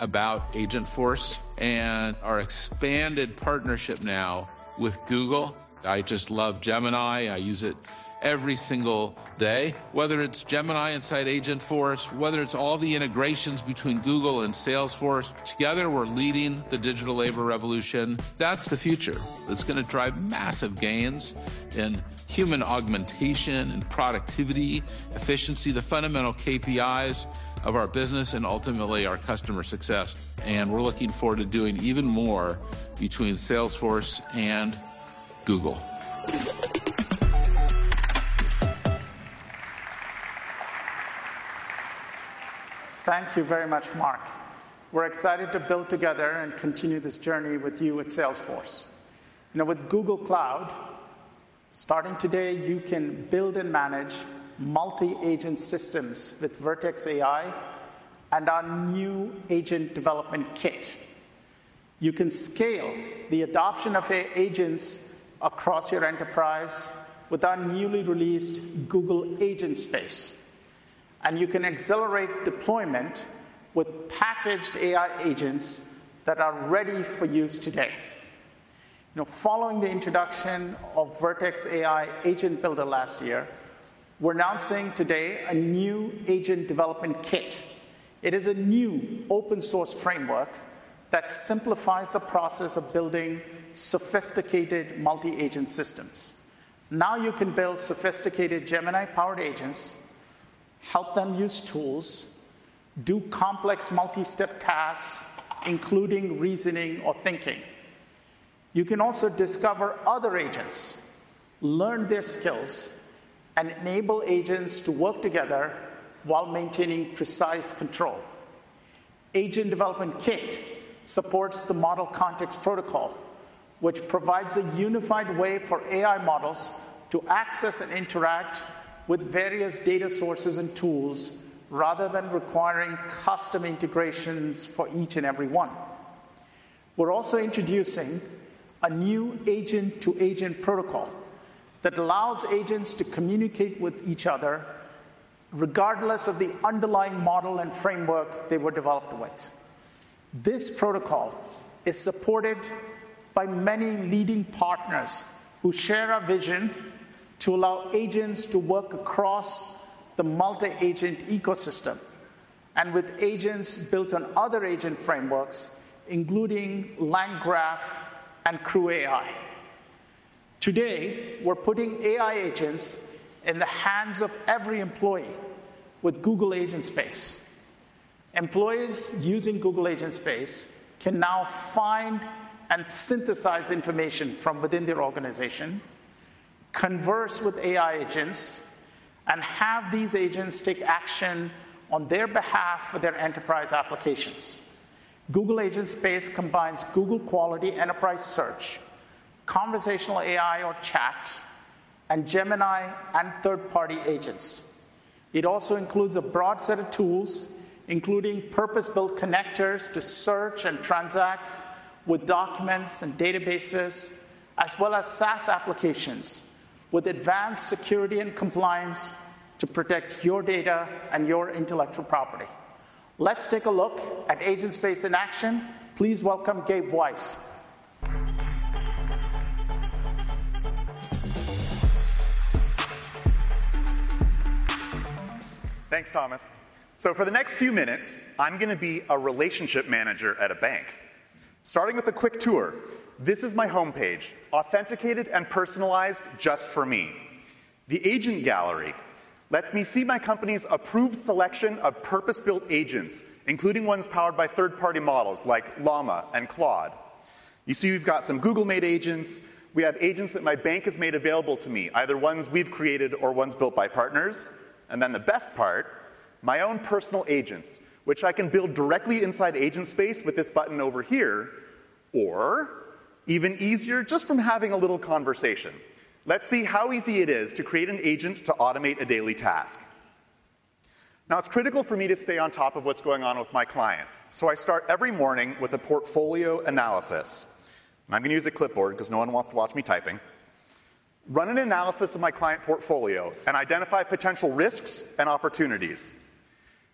J: about Agentforce and our expanded partnership now with Google. I just love Gemini. I use it every single day, whether it's Gemini inside Agentforce, whether it's all the integrations between Google and Salesforce. Together, we're leading the digital labor revolution. That's the future. It's going to drive massive gains in human augmentation and productivity, efficiency, the fundamental KPIs of our business, and ultimately, our customer success. We are looking forward to doing even more between Salesforce and Google.
C: Thank you very much, Marc. We're excited to build together and continue this journey with you at Salesforce. With Google Cloud, starting today, you can build and manage multi-agent systems with Vertex AI and our new agent development kit. You can scale the adoption of agents across your enterprise with our newly released Google Agent Space. You can accelerate deployment with packaged AI agents that are ready for use today. Following the introduction of Vertex AI Agent Builder last year, we're announcing today a new agent development kit. It is a new open-source framework that simplifies the process of building sophisticated multi-agent systems. Now, you can build sophisticated Gemini-powered agents, help them use tools, do complex multi-step tasks, including reasoning or thinking. You can also discover other agents, learn their skills, and enable agents to work together while maintaining precise control. Agent Development Kit supports the Model Context Protocol, which provides a unified way for AI models to access and interact with various data sources and tools rather than requiring custom integrations for each and every one. We're also introducing a new agent-to-agent protocol that allows agents to communicate with each other regardless of the underlying model and framework they were developed with. This protocol is supported by many leading partners who share our vision to allow agents to work across the multi-agent ecosystem and with agents built on other agent frameworks, including LangGraph and CrewAI. Today, we're putting AI agents in the hands of every employee with Google Agent Space. Employees using Google Agent Space can now find and synthesize information from within their organization, converse with AI agents, and have these agents take action on their behalf for their enterprise applications. Google Agent Space combines Google-quality enterprise search, conversational AI or chat, and Gemini and third-party agents. It also includes a broad set of tools, including purpose-built connectors to search and transact with documents and databases, as well as SaaS applications with advanced security and compliance to protect your data and your intellectual property. Let's take a look at Agent Space in action. Please welcome Gabe Weiss.
K: Thanks, Thomas. For the next few minutes, I'm going to be a relationship manager at a bank. Starting with a quick tour, this is my home page, authenticated and personalized just for me. The agent gallery lets me see my company's approved selection of purpose-built agents, including ones powered by third-party models like Llama and Claude. You see we've got some Google-made agents. We have agents that my bank has made available to me, either ones we've created or ones built by partners. The best part, my own personal agents, which I can build directly inside Agent Space with this button over here, or even easier just from having a little conversation. Let's see how easy it is to create an agent to automate a daily task. Now, it's critical for me to stay on top of what's going on with my clients. I start every morning with a portfolio analysis. I'm going to use a clipboard because no one wants to watch me typing. Run an analysis of my client portfolio and identify potential risks and opportunities.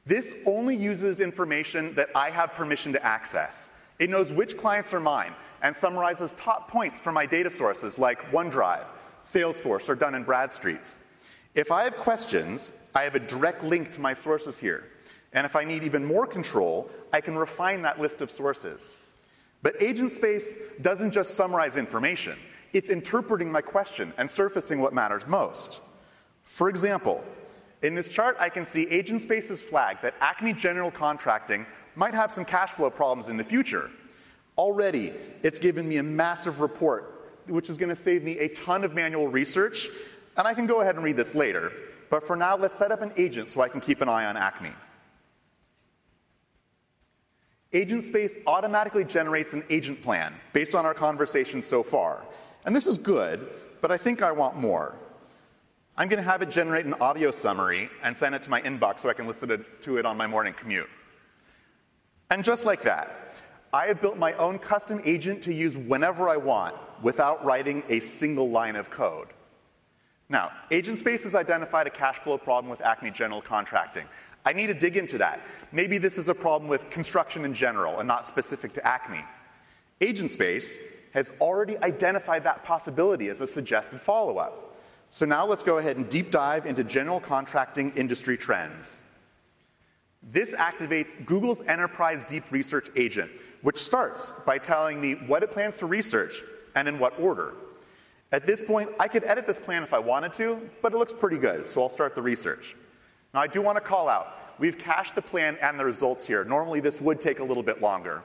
K: This only uses information that I have permission to access. It knows which clients are mine and summarizes top points from my data sources like OneDrive, Salesforce, or Dun & Bradstreet. If I have questions, I have a direct link to my sources here. If I need even more control, I can refine that list of sources. Agent Space doesn't just summarize information. It's interpreting my question and surfacing what matters most. For example, in this chart, I can see Agent Space has flagged that Acme General Contracting might have some cash flow problems in the future. Already, it's given me a massive report, which is going to save me a ton of manual research. I can go ahead and read this later. For now, let's set up an agent so I can keep an eye on Acme. Agent Space automatically generates an agent plan based on our conversation so far. This is good, but I think I want more. I'm going to have it generate an audio summary and send it to my inbox so I can listen to it on my morning commute. Just like that, I have built my own custom agent to use whenever I want without writing a single line of code. Now, Agent Space has identified a cash flow problem with Acme General Contracting. I need to dig into that. Maybe this is a problem with construction in general and not specific to Acme. Agent Space has already identified that possibility as a suggested follow-up. Now, let's go ahead and deep dive into general contracting industry trends. This activates Google's enterprise deep research agent, which starts by telling me what it plans to research and in what order. At this point, I could edit this plan if I wanted to, but it looks pretty good. I'll start the research. I do want to call out, we've cached the plan and the results here. Normally, this would take a little bit longer.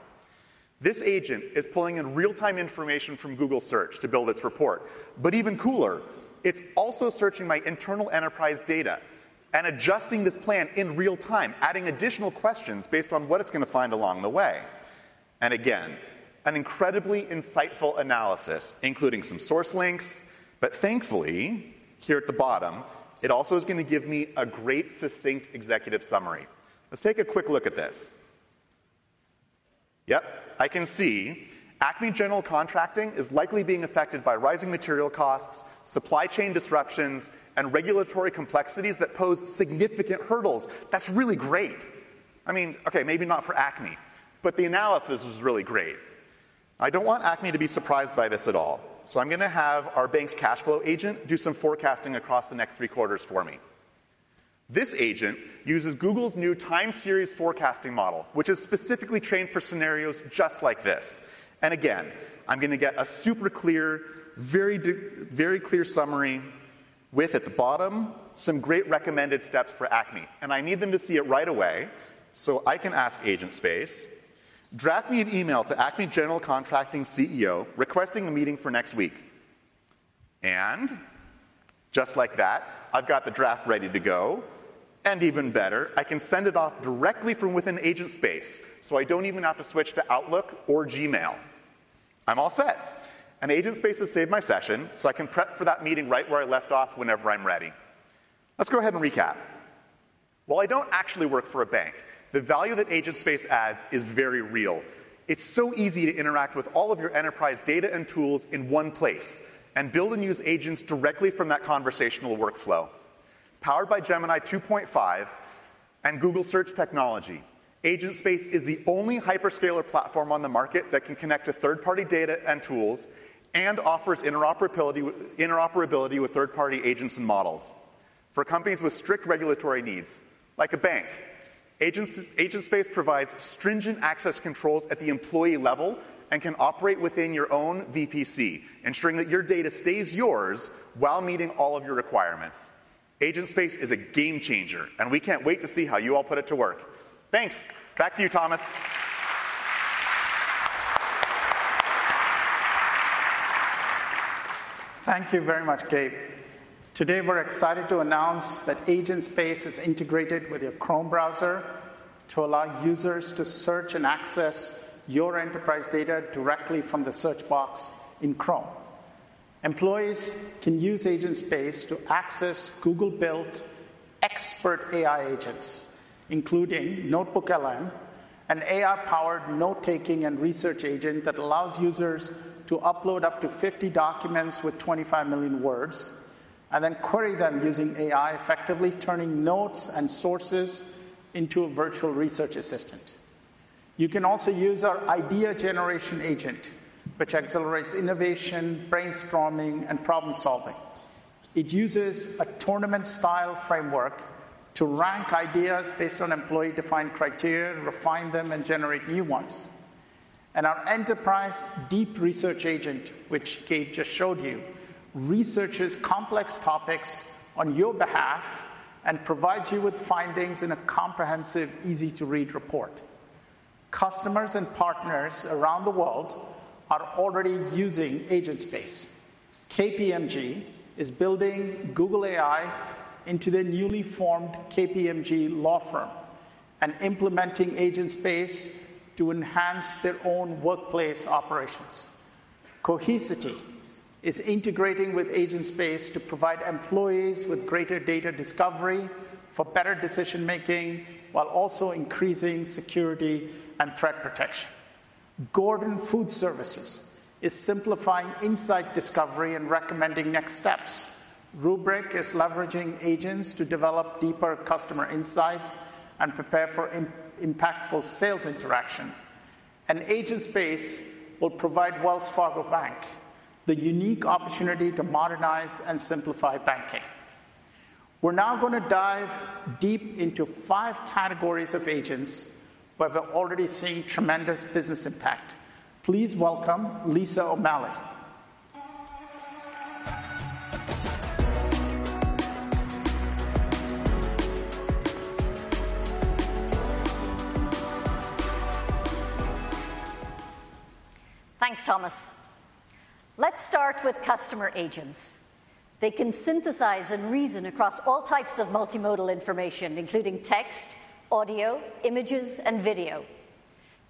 K: This agent is pulling in real-time information from Google Search to build its report. Even cooler, it's also searching my internal enterprise data and adjusting this plan in real-time, adding additional questions based on what it's going to find along the way. Again, an incredibly insightful analysis, including some source links. Thankfully, here at the bottom, it also is going to give me a great succinct executive summary. Let's take a quick look at this. Yep, I can see Acme General Contracting is likely being affected by rising material costs, supply chain disruptions, and regulatory complexities that pose significant hurdles. That's really great. I mean, OK, maybe not for Acme, but the analysis is really great. I don't want Acme to be surprised by this at all. I am going to have our bank's cash flow agent do some forecasting across the next three quarters for me. This agent uses Google's new time series forecasting model, which is specifically trained for scenarios just like this. Again, I am going to get a super clear, very clear summary with, at the bottom, some great recommended steps for Acme. I need them to see it right away. I can ask Agent Space, "Draft me an email to Acme General Contracting CEO requesting a meeting for next week." Just like that, I've got the draft ready to go. Even better, I can send it off directly from within Agent Space. I don't even have to switch to Outlook or Gmail. I'm all set. Agent Space has saved my session, so I can prep for that meeting right where I left off whenever I'm ready. Let's go ahead and recap. While I don't actually work for a bank, the value that Agent Space adds is very real. It's so easy to interact with all of your enterprise data and tools in one place and build and use agents directly from that conversational workflow. Powered by Gemini 2.5 and Google Search technology, Agent Space is the only hyperscaler platform on the market that can connect to third-party data and tools and offers interoperability with third-party agents and models. For companies with strict regulatory needs, like a bank, Agent Space provides stringent access controls at the employee level and can operate within your own VPC, ensuring that your data stays yours while meeting all of your requirements. Agent Space is a game-changer. We can't wait to see how you all put it to work. Thanks. Back to you, Thomas.
C: Thank you very much, Gabe. Today, we're excited to announce that Agent Space is integrated with your Chrome browser to allow users to search and access your enterprise data directly from the search box in Chrome. Employees can use Agent Space to access Google-built expert AI agents, including NotebookLM, an AI-powered note-taking and research agent that allows users to upload up to 50 documents with 25 million words and then query them using AI, effectively turning notes and sources into a virtual research assistant. You can also use our idea generation agent, which accelerates innovation, brainstorming, and problem-solving. It uses a tournament-style framework to rank ideas based on employee-defined criteria, refine them, and generate new ones. Our enterprise deep research agent, which Gabe just showed you, researches complex topics on your behalf and provides you with findings in a comprehensive, easy-to-read report. Customers and partners around the world are already using Agent Space. KPMG is building Google AI into their newly formed KPMG law firm and implementing Agent Space to enhance their own workplace operations. Cohesity is integrating with Agent Space to provide employees with greater data discovery for better decision-making while also increasing security and threat protection. Gordon Food Service is simplifying insight discovery and recommending next steps. Rubrik is leveraging agents to develop deeper customer insights and prepare for impactful sales interaction. Agent Space will provide Wells Fargo Bank the unique opportunity to modernize and simplify banking. We're now going to dive deep into five categories of agents where we're already seeing tremendous business impact. Please welcome Lisa O'Malley.
L: Thanks, Thomas. Let's start with customer agents. They can synthesize and reason across all types of multimodal information, including text, audio, images, and video,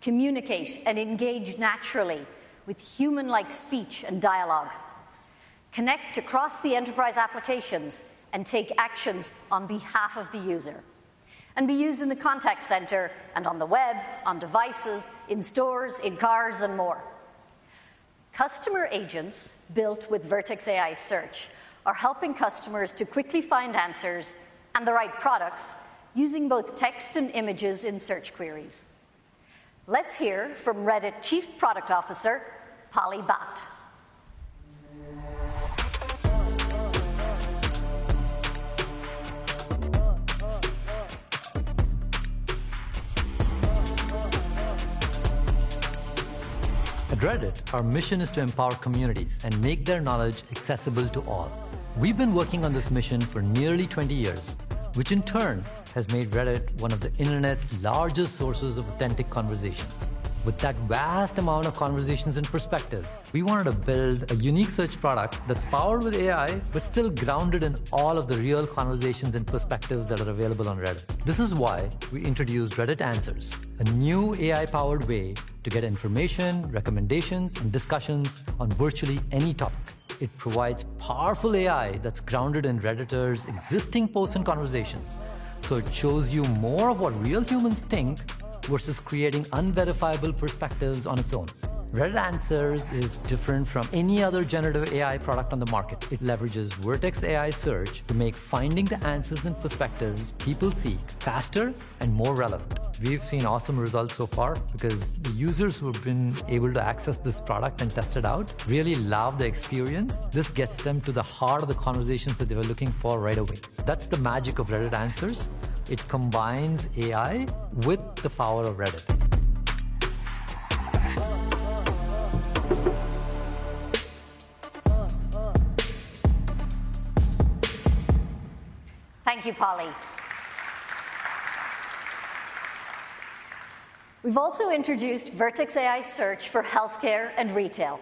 L: communicate and engage naturally with human-like speech and dialogue, connect across the enterprise applications, and take actions on behalf of the user, and be used in the contact center and on the web, on devices, in stores, in cars, and more. Customer agents built with Vertex AI Search are helping customers to quickly find answers and the right products using both text and images in search queries. Let's hear from Reddit Chief Product Officer Pali Bhat.
M: At Reddit, our mission is to empower communities and make their knowledge accessible to all. We've been working on this mission for nearly 20 years, which in turn has made Reddit one of the Internet's largest sources of authentic conversations. With that vast amount of conversations and perspectives, we wanted to build a unique search product that's powered with AI but still grounded in all of the real conversations and perspectives that are available on Reddit. This is why we introduced Reddit Answers, a new AI-powered way to get information, recommendations, and discussions on virtually any topic. It provides powerful AI that's grounded in Redditors' existing posts and conversations. It shows you more of what real humans think versus creating unverifiable perspectives on its own. Reddit Answers is different from any other generative AI product on the market. It leverages Vertex AI Search to make finding the answers and perspectives people seek faster and more relevant. We've seen awesome results so far because the users who have been able to access this product and test it out really love the experience. This gets them to the heart of the conversations that they were looking for right away. That's the magic of Reddit Answers. It combines AI with the power of Reddit.
L: Thank you, Pali. We've also introduced Vertex AI Search for health care and retail,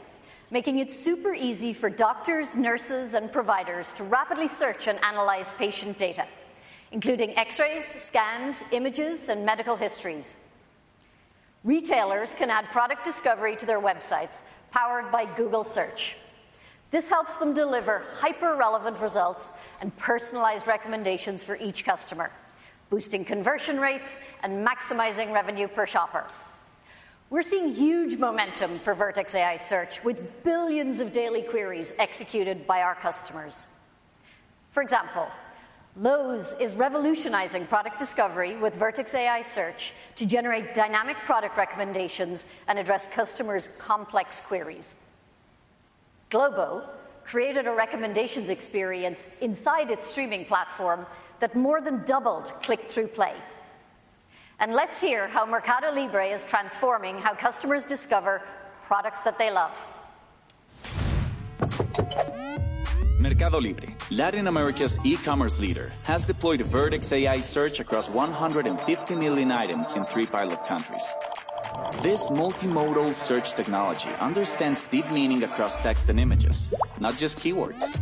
L: making it super easy for doctors, nurses, and providers to rapidly search and analyze patient data, including X-rays, scans, images, and medical histories. Retailers can add product discovery to their websites powered by Google Search. This helps them deliver hyper-relevant results and personalized recommendations for each customer, boosting conversion rates and maximizing revenue per shopper. We're seeing huge momentum for Vertex AI Search with billions of daily queries executed by our customers. For example, Lowe's is revolutionizing product discovery with Vertex AI Search to generate dynamic product recommendations and address customers' complex queries. Globo created a recommendations experience inside its streaming platform that more than doubled click-through play. Let's hear how Mercado Libre is transforming how customers discover products that they love.
A: Mercado Libre, Latin America's e-commerce leader, has deployed Vertex AI Search across 150 million items in three pilot countries. This multimodal search technology understands deep meaning across text and images, not just keywords.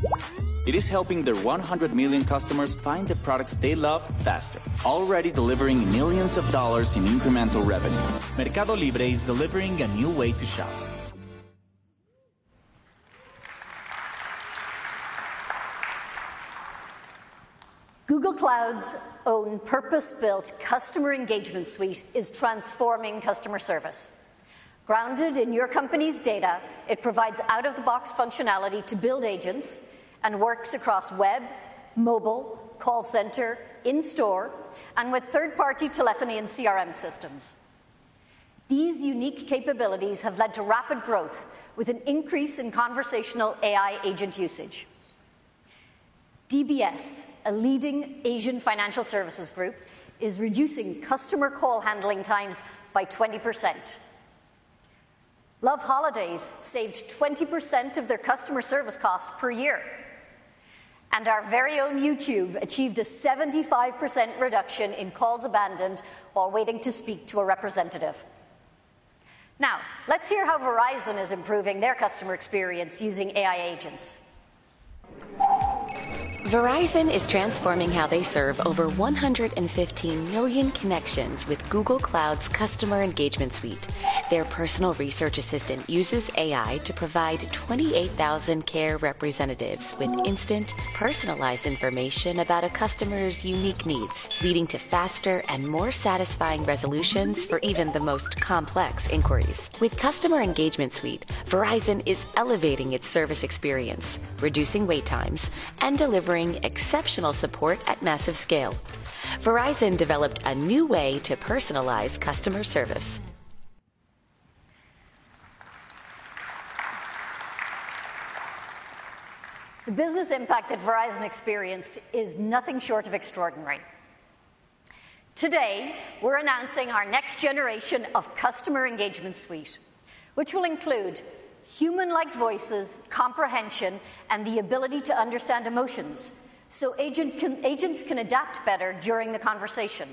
A: It is helping their 100 million customers find the products they love faster, already delivering millions of dollars in incremental revenue. Mercado Libre is delivering a new way to shop.
L: Google Cloud's own purpose-built Customer Engagement Suite is transforming customer service. Grounded in your company's data, it provides out-of-the-box functionality to build agents and works across web, mobile, call center, in-store, and with third-party telephony and CRM systems. These unique capabilities have led to rapid growth with an increase in conversational AI agent usage. DBS, a leading Asian financial services group, is reducing customer call handling times by 20%. Loveholidays saved 20% of their customer service cost per year. Our very own YouTube achieved a 75% reduction in calls abandoned while waiting to speak to a representative. Now, let's hear how Verizon is improving their customer experience using AI agents.
A: Verizon is transforming how they serve over 115 million connections with Google Cloud's Customer Engagement Suite. Their personal research assistant uses AI to provide 28,000 care representatives with instant, personalized information about a customer's unique needs, leading to faster and more satisfying resolutions for even the most complex inquiries. With Customer Engagement Suite, Verizon is elevating its service experience, reducing wait times, and delivering exceptional support at massive scale. Verizon developed a new way to personalize customer service.
L: The business impact that Verizon experienced is nothing short of extraordinary. Today, we're announcing our next generation of Customer Engagement Suite, which will include human-like voices, comprehension, and the ability to understand emotions so agents can adapt better during the conversation,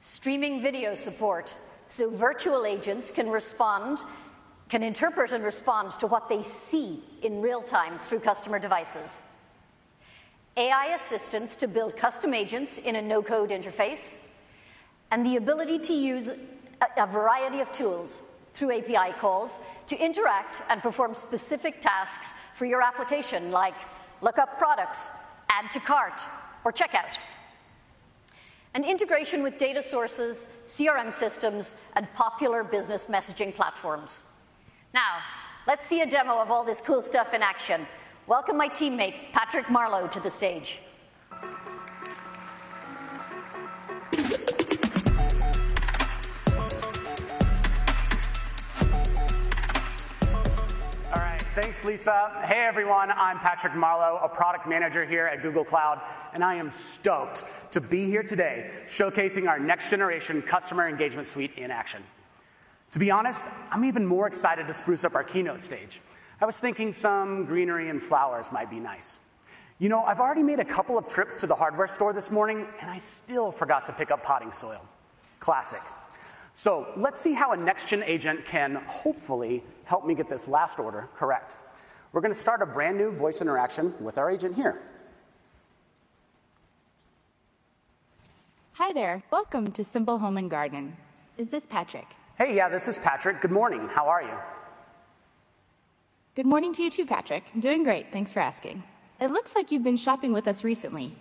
L: streaming video support so virtual agents can respond, can interpret and respond to what they see in real-time through customer devices, AI assistants to build custom agents in a no-code interface, and the ability to use a variety of tools through API calls to interact and perform specific tasks for your application, like look up products, add to cart, or checkout, and integration with data sources, CRM systems, and popular business messaging platforms. Now, let's see a demo of all this cool stuff in action. Welcome my teammate, Patrick Marlow, to the stage.
N: All right. Thanks, Lisa. Hey, everyone. I'm Patrick Marlow, a product manager here at Google Cloud. I am stoked to be here today showcasing our next generation Customer Engagement Suite in action. To be honest, I'm even more excited to spruce up our keynote stage. I was thinking some greenery and flowers might be nice. You know, I've already made a couple of trips to the hardware store this morning, and I still forgot to pick up potting soil. Classic. Let's see how a next-gen agent can hopefully help me get this last order correct. We're going to start a brand new voice interaction with our agent here.
O: Hi there. Welcome to Simple Home and Garden. Is this Patrick?
N: Hey, yeah, this is Patrick. Good morning. How are you?
O: Good morning to you too, Patrick. I'm doing great. Thanks for asking. It looks like you've been shopping with us recently.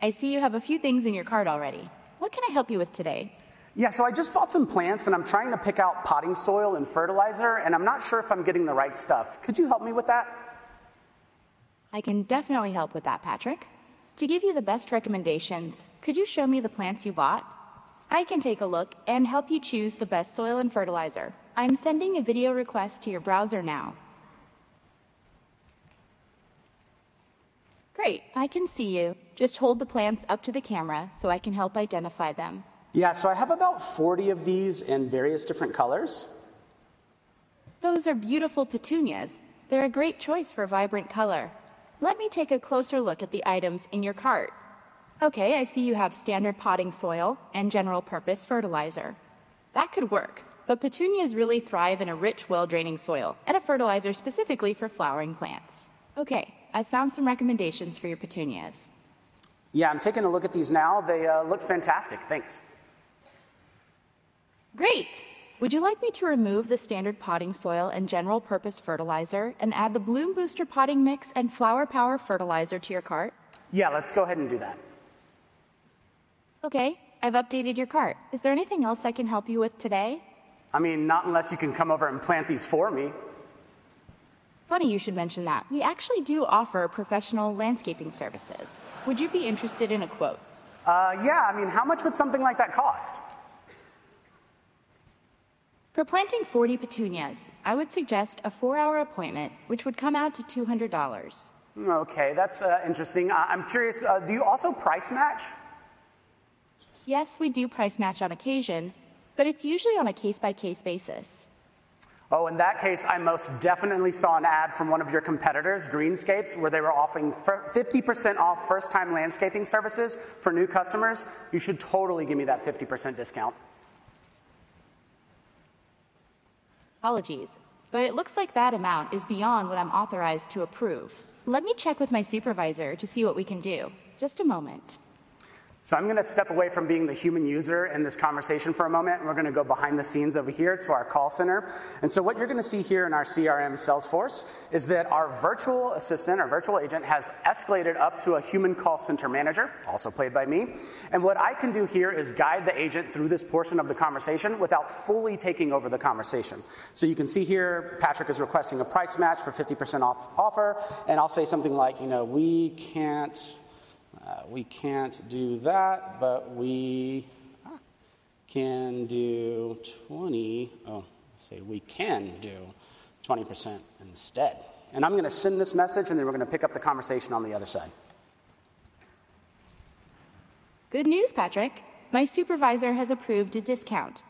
O: I see you have a few things in your cart already. What can I help you with today?
N: Yeah, so I just bought some plants, and I'm trying to pick out potting soil and fertilizer. I'm not sure if I'm getting the right stuff. Could you help me with that?
O: I can definitely help with that, Patrick. To give you the best recommendations, could you show me the plants you bought? I can take a look and help you choose the best soil and fertilizer. I'm sending a video request to your browser now. Great. I can see you. Just hold the plants up to the camera so I can help identify them.
N: Yeah, so I have about 40 of these in various different colors.
O: Those are beautiful petunias. They're a great choice for vibrant color. Let me take a closer look at the items in your cart. OK, I see you have standard potting soil and general-purpose fertilizer. That could work. Petunias really thrive in a rich, well-draining soil and a fertilizer specifically for flowering plants. OK, I've found some recommendations for your petunias.
N: Yeah, I'm taking a look at these now. They look fantastic. Thanks.
O: Great. Would you like me to remove the standard potting soil and general-purpose fertilizer and add the Bloom Booster Potting Mix and Flower Power Fertilizer to your cart?
N: Yeah, let's go ahead and do that.
O: OK, I've updated your cart. Is there anything else I can help you with today?
N: I mean, not unless you can come over and plant these for me.
O: Funny you should mention that. We actually do offer professional landscaping services. Would you be interested in a quote?
N: Yeah, I mean, how much would something like that cost?
O: For planting 40 petunias, I would suggest a four-hour appointment, which would come out to $200.
N: OK, that's interesting. I'm curious, do you also price match?
O: Yes, we do price match on occasion. It is usually on a case-by-case basis.
N: Oh, in that case, I most definitely saw an ad from one of your competitors, Greenscapes, where they were offering 50% off first-time landscaping services for new customers. You should totally give me that 50% discount.
O: Apologies. It looks like that amount is beyond what I'm authorized to approve. Let me check with my supervisor to see what we can do. Just a moment.
N: I'm going to step away from being the human user in this conversation for a moment. We're going to go behind the scenes over here to our call center. What you're going to see here in our CRM Salesforce is that our virtual assistant, our virtual agent, has escalated up to a human call center manager, also played by me. What I can do here is guide the agent through this portion of the conversation without fully taking over the conversation. You can see here, Patrick is requesting a price match for a 50% off offer. I'll say something like, you know, we can't do that, but we can do 20%. Oh, let's say we can do 20% instead. I'm going to send this message, and then we're going to pick up the conversation on the other side.
O: Good news, Patrick. My supervisor has approved a discount.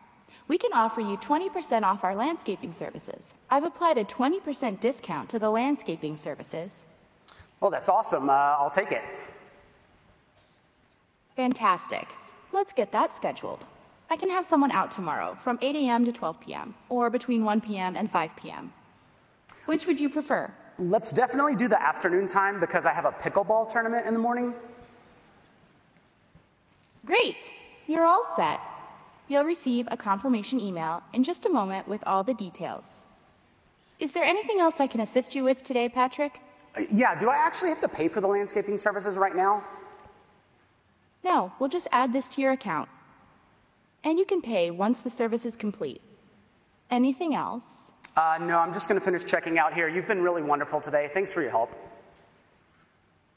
O: We can offer you 20% off our landscaping services. I've applied a 20% discount to the landscaping services.
N: Oh, that's awesome. I'll take it.
O: Fantastic. Let's get that scheduled. I can have someone out tomorrow from 8:00 A.M.-12:00 P.M. or between 1:00 P.M. and 5:00 P.M. Which would you prefer?
N: Let's definitely do the afternoon time because I have a pickleball tournament in the morning.
O: Great. You're all set. You'll receive a confirmation email in just a moment with all the details. Is there anything else I can assist you with today, Patrick?
N: Yeah, do I actually have to pay for the landscaping services right now?
O: No, we'll just add this to your account. You can pay once the service is complete. Anything else?
N: No, I'm just going to finish checking out here. You've been really wonderful today. Thanks for your help.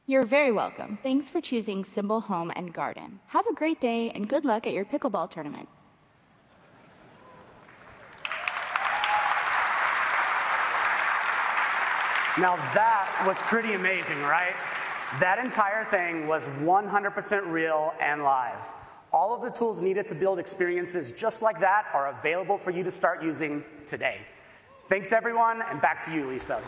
O: You're very welcome. Thanks for choosing Simple Home and Garden. Have a great day and good luck at your pickleball tournament.
N: Now, that was pretty amazing, right? That entire thing was 100% real and live. All of the tools needed to build experiences just like that are available for you to start using today. Thanks, everyone. Back to you, Lisa.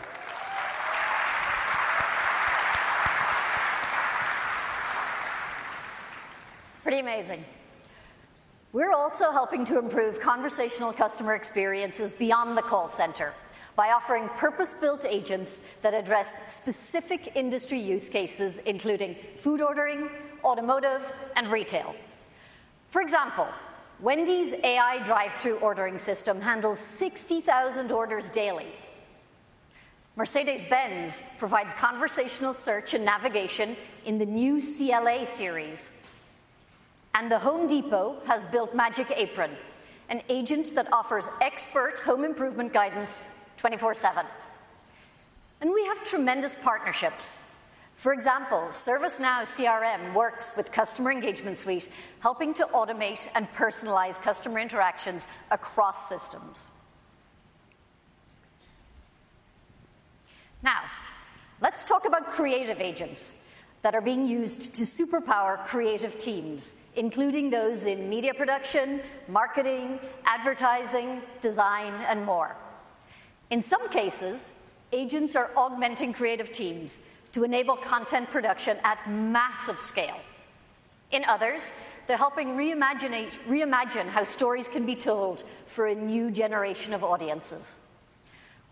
L: Pretty amazing. We're also helping to improve conversational customer experiences beyond the call center by offering purpose-built agents that address specific industry use cases, including food ordering, automotive, and retail. For example, Wendy's AI drive-thru ordering system handles 60,000 orders daily. Mercedes-Benz provides conversational search and navigation in the new CLA series. The Home Depot has built Magic Apron, an agent that offers expert home improvement guidance 24/7. We have tremendous partnerships. For example, ServiceNow CRM works with Customer Engagement Suite, helping to automate and personalize customer interactions across systems. Now, let's talk about creative agents that are being used to superpower creative teams, including those in media production, marketing, advertising, design, and more. In some cases, agents are augmenting creative teams to enable content production at massive scale. In others, they're helping reimagine how stories can be told for a new generation of audiences.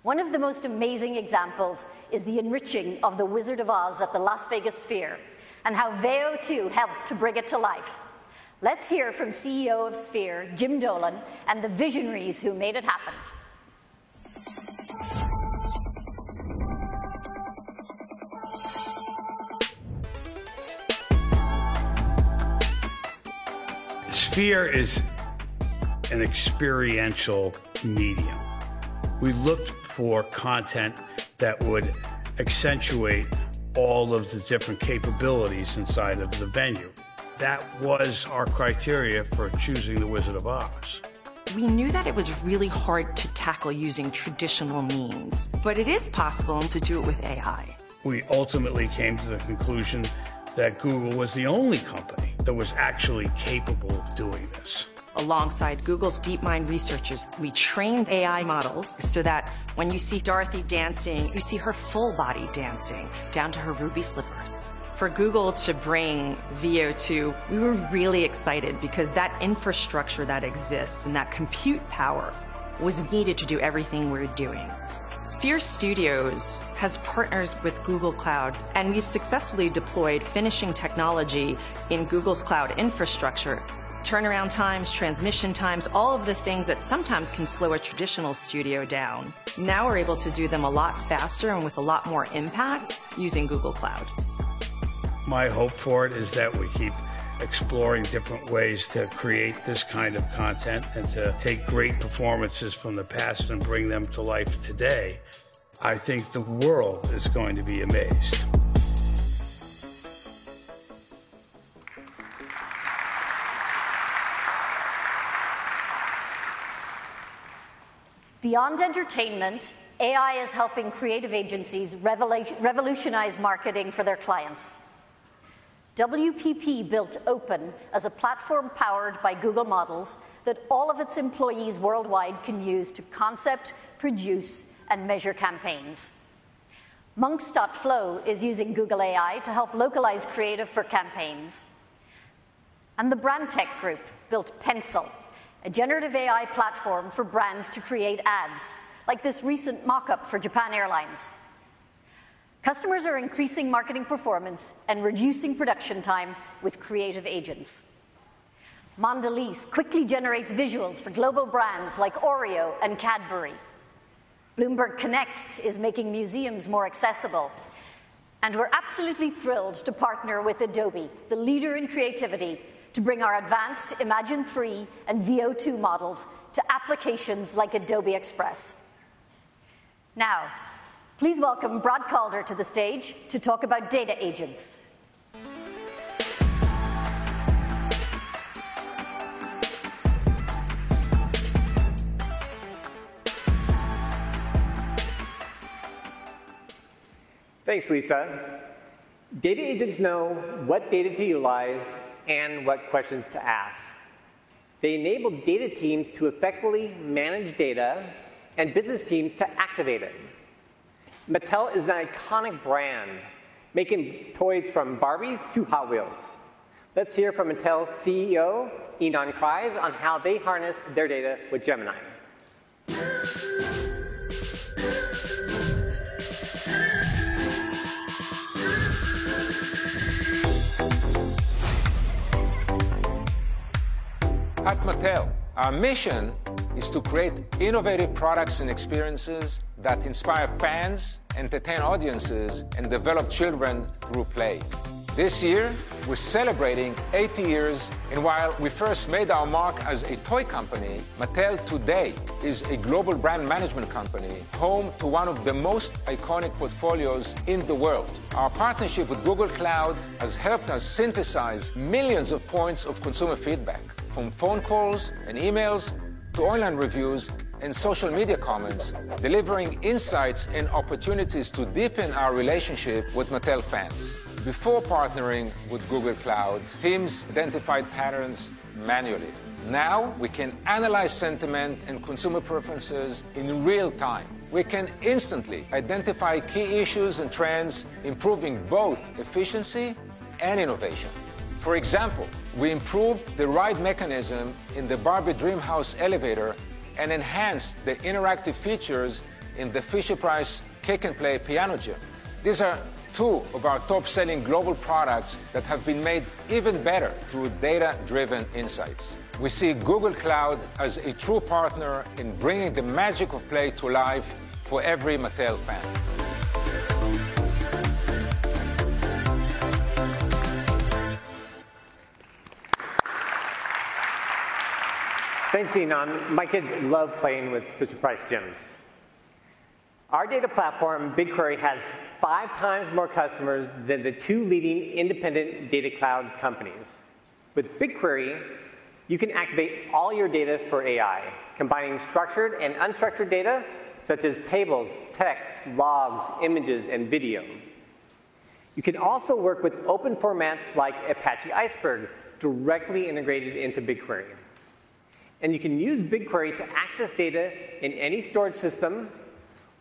L: One of the most amazing examples is the enriching of The Wizard of Oz at the Las Vegas Sphere and how Veo 2 helped to bring it to life. Let's hear from CEO of Sphere, Jim Dolan, and the visionaries who made it happen.
P: Sphere is an experiential medium. We looked for content that would accentuate all of the different capabilities inside of the venue. That was our criteria for choosing The Wizard of Oz.
Q: We knew that it was really hard to tackle using traditional means. It is possible to do it with AI.
P: We ultimately came to the conclusion that Google was the only company that was actually capable of doing this.
Q: Alongside Google's DeepMind researchers, we trained AI models so that when you see Dorothy dancing, you see her full body dancing down to her ruby slippers. For Google to bring Veo 2, we were really excited because that infrastructure that exists and that compute power was needed to do everything we're doing. Sphere Studios has partnered with Google Cloud, and we've successfully deployed finishing technology in Google's cloud infrastructure. Turnaround times, transmission times, all of the things that sometimes can slow a traditional studio down, now we're able to do them a lot faster and with a lot more impact using Google Cloud.
P: My hope for it is that we keep exploring different ways to create this kind of content and to take great performances from the past and bring them to life today. I think the world is going to be amazed.
L: Beyond entertainment, AI is helping creative agencies revolutionize marketing for their clients. WPP built Open as a platform powered by Google models that all of its employees worldwide can use to concept, produce, and measure campaigns. Monks.Flow is using Google AI to help localize creative for campaigns. The Brandtech Group built Pencil, a generative AI platform for brands to create ads, like this recent mockup for Japan Airlines. Customers are increasing marketing performance and reducing production time with creative agents. Mondelēz quickly generates visuals for global brands like Oreo and Cadbury. Bloomberg Connects is making museums more accessible. We are absolutely thrilled to partner with Adobe, the leader in creativity, to bring our advanced Imagen 3 and Veo 2 models to applications like Adobe Express. Now, please welcome Brad Calder to the stage to talk about data agents.
R: Thanks, Lisa. Data agents know what data to utilize and what questions to ask. They enable data teams to effectively manage data and business teams to activate it. Mattel is an iconic brand, making toys from Barbies to Hot Wheels. Let's hear from Mattel CEO, Ynon Kreiz, on how they harness their data with Gemini.
S: At Mattel, our mission is to create innovative products and experiences that inspire fans, entertain audiences, and develop children through play. This year, we're celebrating 80 years. While we first made our mark as a toy company, Mattel today is a global brand management company home to one of the most iconic portfolios in the world. Our partnership with Google Cloud has helped us synthesize millions of points of consumer feedback, from phone calls and emails to online reviews and social media comments, delivering insights and opportunities to deepen our relationship with Mattel fans. Before partnering with Google Cloud, teams identified patterns manually. Now, we can analyze sentiment and consumer preferences in real-time. We can instantly identify key issues and trends, improving both efficiency and innovation. For example, we improved the ride mechanism in the Barbie DreamHouse elevator and enhanced the interactive features in the Fisher-Price Kick & Play Piano Gym. These are two of our top-selling global products that have been made even better through data-driven insights. We see Google Cloud as a true partner in bringing the magic of play to life for every Mattel fan.
R: Thanks, Ynon. My kids love playing with Fisher-Price Gym. Our data platform, BigQuery, has 5x more customers than the two leading independent data cloud companies. With BigQuery, you can activate all your data for AI, combining structured and unstructured data, such as tables, text, logs, images, and video. You can also work with open formats like Apache Iceberg, directly integrated into BigQuery. You can use BigQuery to access data in any storage system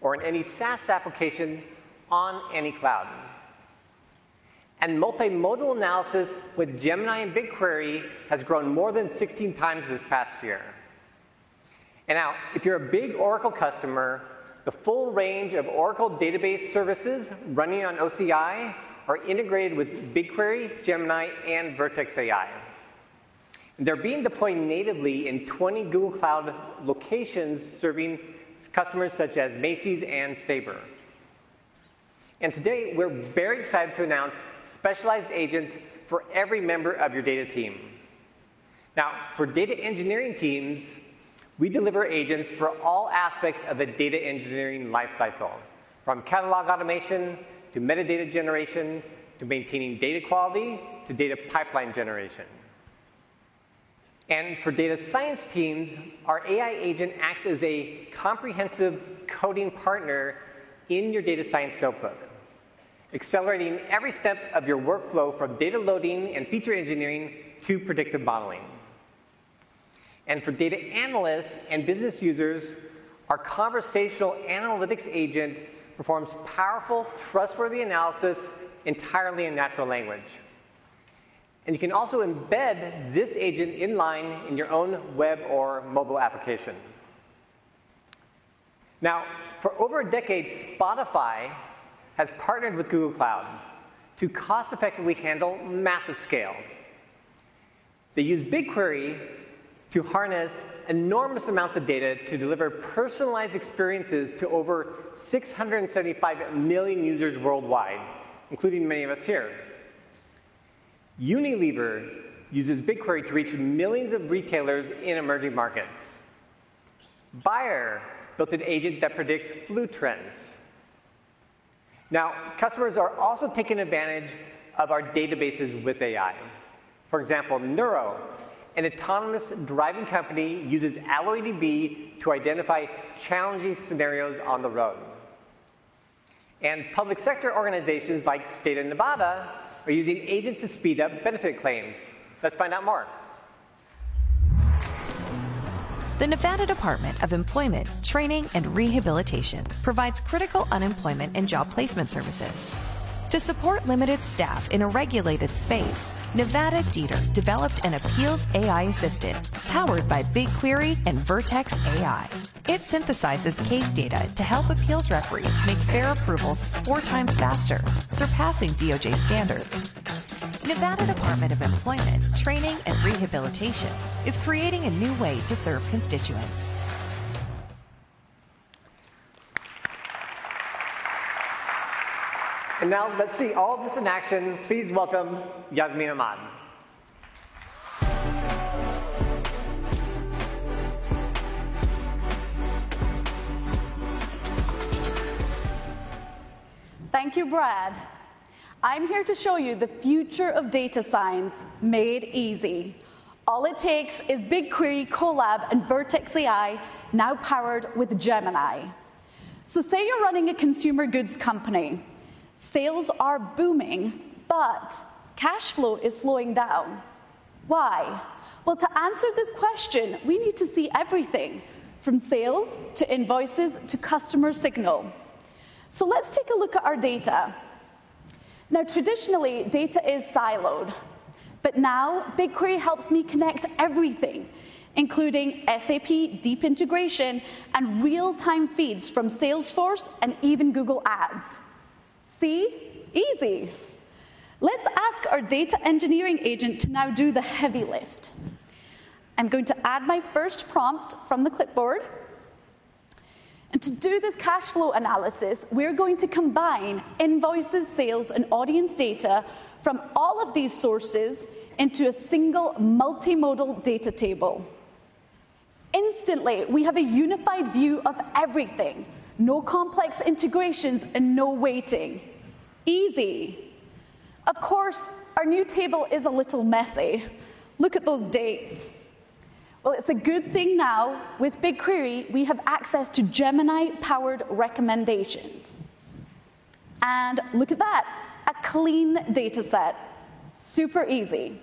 R: or in any SaaS application on any cloud. Multimodal analysis with Gemini and BigQuery has grown more than 16x this past year. Now, if you're a big Oracle customer, the full range of Oracle database services running on OCI are integrated with BigQuery, Gemini, and Vertex AI. They're being deployed natively in 20 Google Cloud locations, serving customers such as Macy's and Sabre. Today, we're very excited to announce specialized agents for every member of your data team. Now, for data engineering teams, we deliver agents for all aspects of a data engineering lifecycle, from catalog automation to metadata generation to maintaining data quality to data pipeline generation. For data science teams, our AI agent acts as a comprehensive coding partner in your data science notebook, accelerating every step of your workflow from data loading and feature engineering to predictive modeling. For data analysts and business users, our conversational analytics agent performs powerful, trustworthy analysis entirely in natural language. You can also embed this agent in line in your own web or mobile application. For over a decade, Spotify has partnered with Google Cloud to cost-effectively handle massive scale. They use BigQuery to harness enormous amounts of data to deliver personalized experiences to over 675 million users worldwide, including many of us here. Unilever uses BigQuery to reach millions of retailers in emerging markets. Bayer built an agent that predicts flu trends. Now, customers are also taking advantage of our databases with AI. For example, Nuro, an autonomous driving company, uses AlloyDB to identify challenging scenarios on the road. Public sector organizations like State of Nevada are using agents to speed up benefit claims. Let's find out more.
A: The Nevada Department of Employment, Training, and Rehabilitation provides critical unemployment and job placement services. To support limited staff in a regulated space, Nevada DETR developed an appeals AI assistant powered by BigQuery and Vertex AI. It synthesizes case data to help appeals referees make fair approvals 4x faster, surpassing DOJ standards. Nevada Department of Employment, Training, and Rehabilitation is creating a new way to serve constituents.
R: Now, let's see all of this in action. Please welcome Yasmeen Ahmad.
T: Thank you, Brad. I'm here to show you the future of data science made easy. All it takes is BigQuery Colab and Vertex AI, now powered with Gemini. Say you're running a consumer goods company. Sales are booming, but cash flow is slowing down. Why? To answer this question, we need to see everything from sales to invoices to customer signal. Let's take a look at our data. Traditionally, data is siloed. Now, BigQuery helps me connect everything, including SAP deep integration and real-time feeds from Salesforce and even Google Ads. See? Easy. Let's ask our data engineering agent to now do the heavy lift. I'm going to add my first prompt from the clipboard. To do this cash flow analysis, we're going to combine invoices, sales, and audience data from all of these sources into a single multimodal data table. Instantly, we have a unified view of everything, no complex integrations and no waiting. Easy. Of course, our new table is a little messy. Look at those dates. It is a good thing now with BigQuery, we have access to Gemini-powered recommendations. Look at that, a clean data set. Super easy.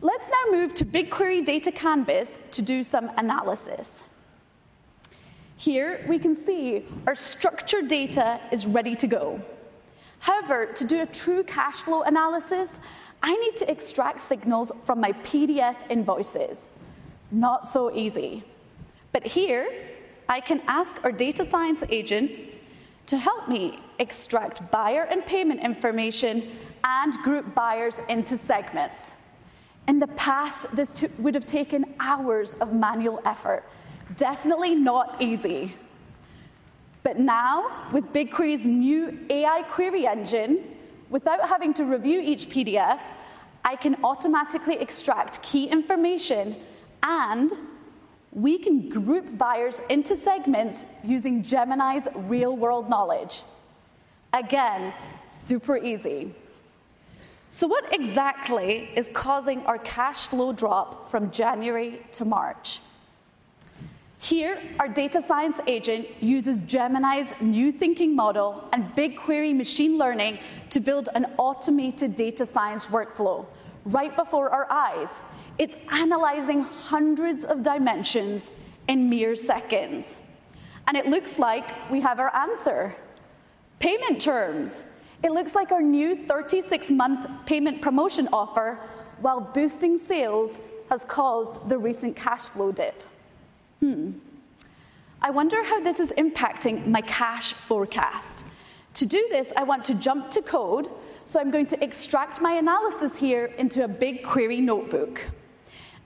T: Let's now move to BigQuery Data Canvas to do some analysis. Here, we can see our structured data is ready to go. However, to do a true cash flow analysis, I need to extract signals from my PDF invoices. Not so easy. Here, I can ask our data science agent to help me extract buyer and payment information and group buyers into segments. In the past, this would have taken hours of manual effort. Definitely not easy. Now, with BigQuery's new AI query engine, without having to review each PDF, I can automatically extract key information. We can group buyers into segments using Gemini's real-world knowledge. Again, super easy. What exactly is causing our cash flow drop from January to March? Here, our data science agent uses Gemini's new thinking model and BigQuery machine learning to build an automated data science workflow right before our eyes. It's analyzing hundreds of dimensions in mere seconds. It looks like we have our answer, payment terms. It looks like our new 36-month payment promotion offer, while boosting sales, has caused the recent cash flow dip. I wonder how this is impacting my cash forecast. To do this, I want to jump to code. I'm going to extract my analysis here into a BigQuery notebook.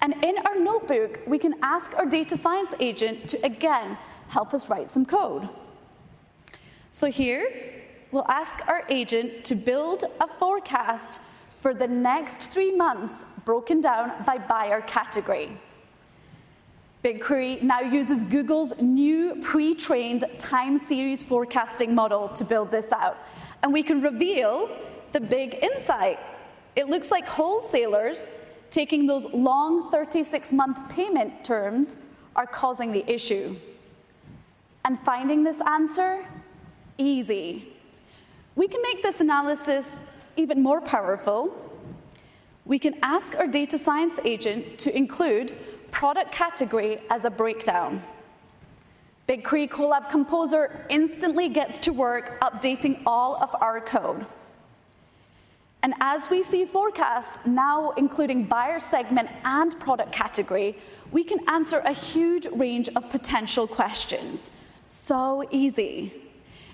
T: In our notebook, we can ask our data science agent to, again, help us write some code. Here, we'll ask our agent to build a forecast for the next three months, broken down by buyer category. BigQuery now uses Google's new pre-trained time series forecasting model to build this out. We can reveal the big insight. It looks like wholesalers taking those long 36-month payment terms are causing the issue. Finding this answer? Easy. We can make this analysis even more powerful. We can ask our data science agent to include product category as a breakdown. BigQuery Colab composer instantly gets to work updating all of our code. As we see forecasts now, including buyer segment and product category, we can answer a huge range of potential questions. So easy.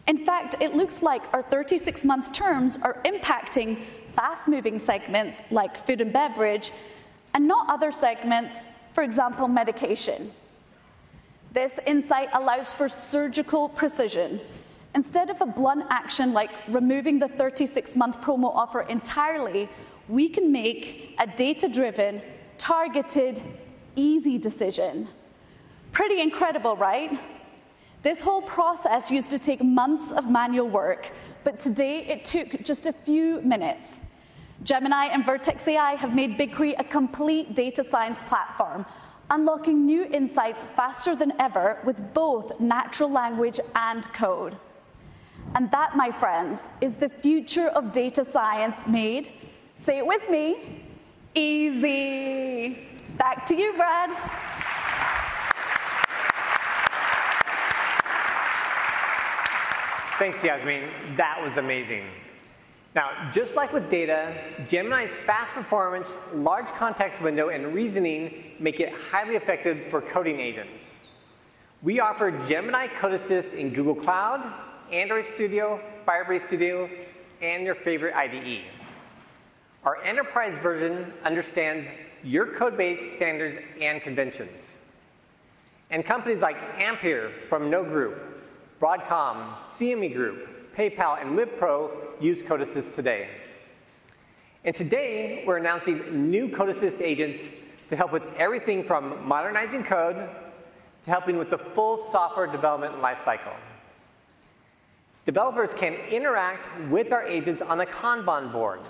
T: In fact, it looks like our 36-month terms are impacting fast-moving segments like food and beverage and not other segments, for example, medication. This insight allows for surgical precision. Instead of a blunt action like removing the 36-month promo offer entirely, we can make a data-driven, targeted, easy decision. Pretty incredible, right? This whole process used to take months of manual work, but today, it took just a few minutes. Gemini and Vertex AI have made BigQuery a complete data science platform, unlocking new insights faster than ever with both natural language and code. That, my friends, is the future of data science made, say it with me, easy. Back to you, Brad.
R: Thanks, Yasmeen. That was amazing. Now, just like with data, Gemini's fast performance, large context window, and reasoning make it highly effective for coding agents. We offer Gemini Code Assist in Google Cloud, Android Studio, Firebase Studio, and your favorite IDE. Our enterprise version understands your code-based standards and conventions. Companies like Ampere from Renault Group, Broadcom, CME Group, PayPal, and Wipro use Code Assist today. Today, we're announcing new Code Assist agents to help with everything from modernizing code to helping with the full software development lifecycle. Developers can interact with our agents on a Kanban board,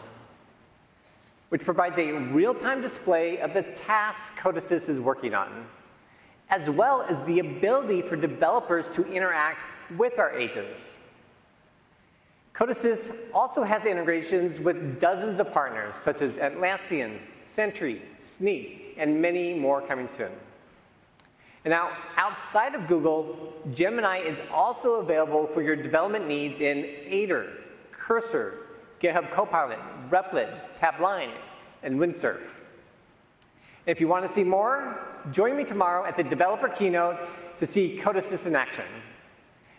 R: which provides a real-time display of the tasks Code Assist is working on, as well as the ability for developers to interact with our agents. Code Assist also has integrations with dozens of partners, such as Atlassian, Sentry, Snyk, and many more coming soon. Now, outside of Google, Gemini is also available for your development needs in Aider, Cursor, GitHub Copilot, Replit, Tabnine, and Windsurf. If you want to see more, join me tomorrow at the developer keynote to see Code Assist in action.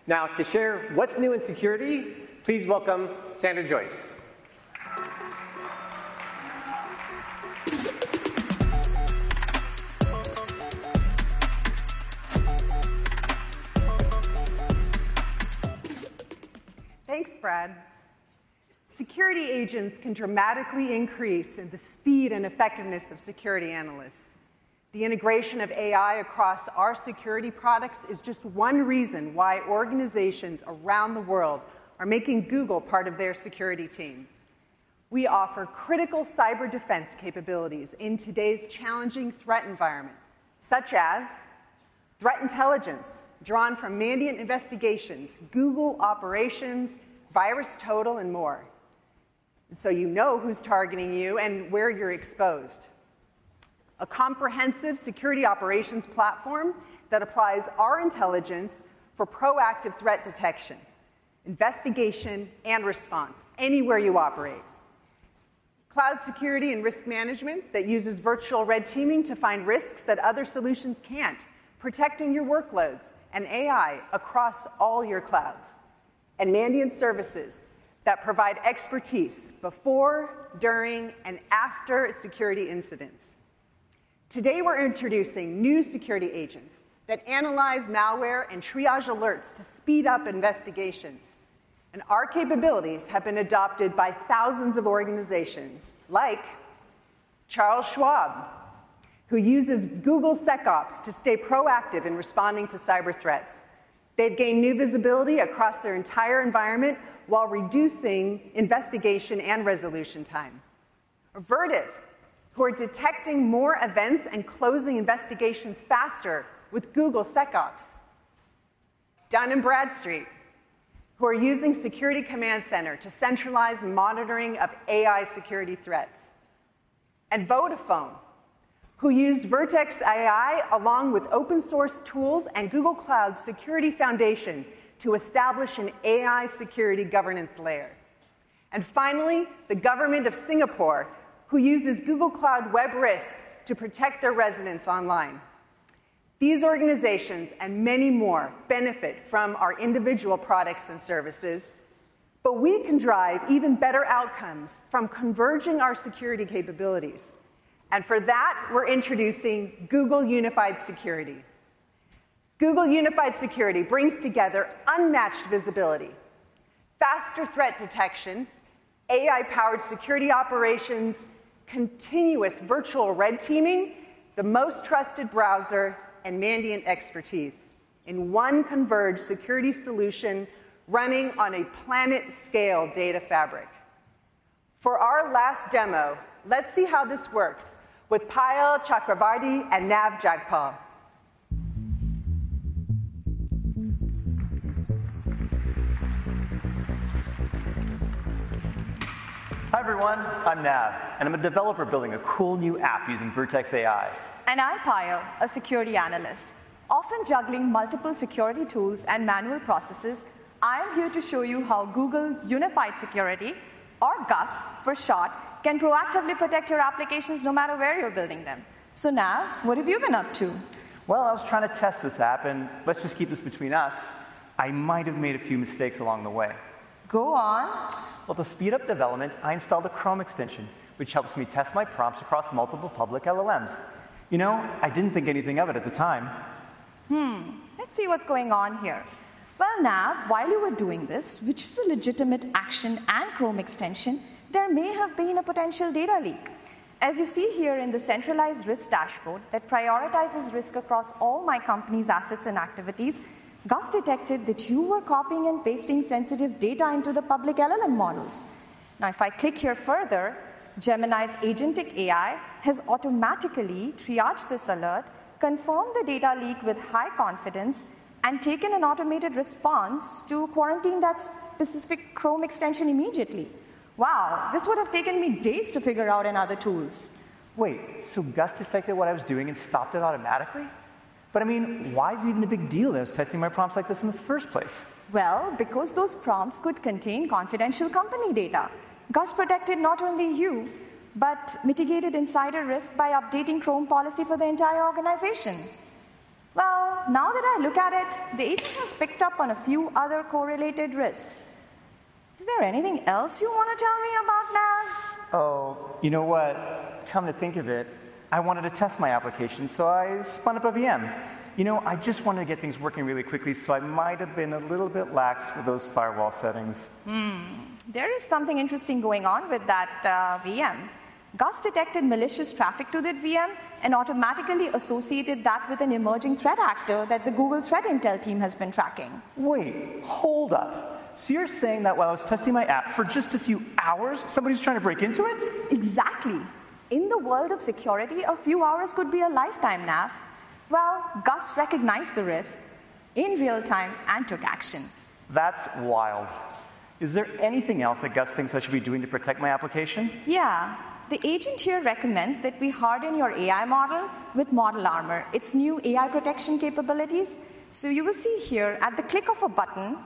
R: Now, to share what's new in security, please welcome Sandra Joyce.
U: Thanks, Brad. Security agents can dramatically increase the speed and effectiveness of security analysts. The integration of AI across our security products is just one reason why organizations around the world are making Google part of their security team. We offer critical cyber defense capabilities in today's challenging threat environment, such as threat intelligence drawn from Mandiant investigations, Google Operations, VirusTotal, and more. You know who's targeting you and where you're exposed. A comprehensive security operations platform that applies our intelligence for proactive threat detection, investigation, and response anywhere you operate. Cloud security and risk management that uses virtual red teaming to find risks that other solutions can't, protecting your workloads and AI across all your clouds. Mandiant services provide expertise before, during, and after security incidents. Today, we're introducing new security agents that analyze malware and triage alerts to speed up investigations. Our capabilities have been adopted by thousands of organizations, like Charles Schwab, who uses Google SecOps to stay proactive in responding to cyber threats. They've gained new visibility across their entire environment while reducing investigation and resolution time. Vertiv, who are detecting more events and closing investigations faster with Google SecOps. Dun & Bradstreet, who are using Security Command Center to centralize monitoring of AI security threats. Vodafone, who use Vertex AI along with open-source tools and Google Cloud Security Foundation to establish an AI security governance layer. Finally, the Government of Singapore, who uses Google Cloud Web Risk to protect their residents online. These organizations and many more benefit from our individual products and services. We can drive even better outcomes from converging our security capabilities. For that, we're introducing Google Unified Security. Google Unified Security brings together unmatched visibility, faster threat detection, AI-powered security operations, continuous virtual red teaming, the most trusted browser, and Mandiant expertise in one converged security solution running on a planet-scale data fabric. For our last demo, let's see how this works with Payal Chakravarty and Nav Jagpal.
V: Hi, everyone. I'm Nav, and I'm a developer building a cool new app using Vertex AI.
W: I'm Payal, a security analyst. Often juggling multiple security tools and manual processes, I'm here to show you how Google Unified Security, or GUS for short, can proactively protect your applications no matter where you're building them. Nav, what have you been up to?
V: I was trying to test this app, and let's just keep this between us. I might have made a few mistakes along the way.
W: Go on.
V: To speed up development, I installed a Chrome extension, which helps me test my prompts across multiple public LLMs. You know, I didn't think anything of it at the time.
W: Let's see what's going on here. Nav, while you were doing this, which is a legitimate action and Chrome extension, there may have been a potential data leak. As you see here in the centralized risk dashboard that prioritizes risk across all my company's assets and activities, GUS detected that you were copying and pasting sensitive data into the public LLM models. If I click here further, Gemini's agentic AI has automatically triaged this alert, confirmed the data leak with high confidence, and taken an automated response to quarantine that specific Chrome extension immediately. Wow, this would have taken me days to figure out in other tools.
V: Wait, so GUS detected what I was doing and stopped it automatically? I mean, why is it even a big deal that I was testing my prompts like this in the first place?
W: Because those prompts could contain confidential company data. GUS protected not only you, but mitigated insider risk by updating Chrome policy for the entire organization. Now that I look at it, the agent has picked up on a few other correlated risks. Is there anything else you want to tell me about, Nav?
V: Oh, you know what? Come to think of it, I wanted to test my application, so I spun up a VM. You know, I just wanted to get things working really quickly, so I might have been a little bit lax with those firewall settings.
W: There is something interesting going on with that VM. GUS detected malicious traffic to that VM and automatically associated that with an emerging threat actor that the Google Threat Intel team has been tracking.
V: Wait, hold up. You're saying that while I was testing my app for just a few hours, somebody was trying to break into it?
W: Exactly. In the world of security, a few hours could be a lifetime, Nav. GUS recognized the risk in real-time and took action.
V: That's wild. Is there anything else that GUS thinks I should be doing to protect my application?
W: Yeah. The agent here recommends that we harden your AI model with Model Armor, its new AI protection capabilities. You will see here, at the click of a button,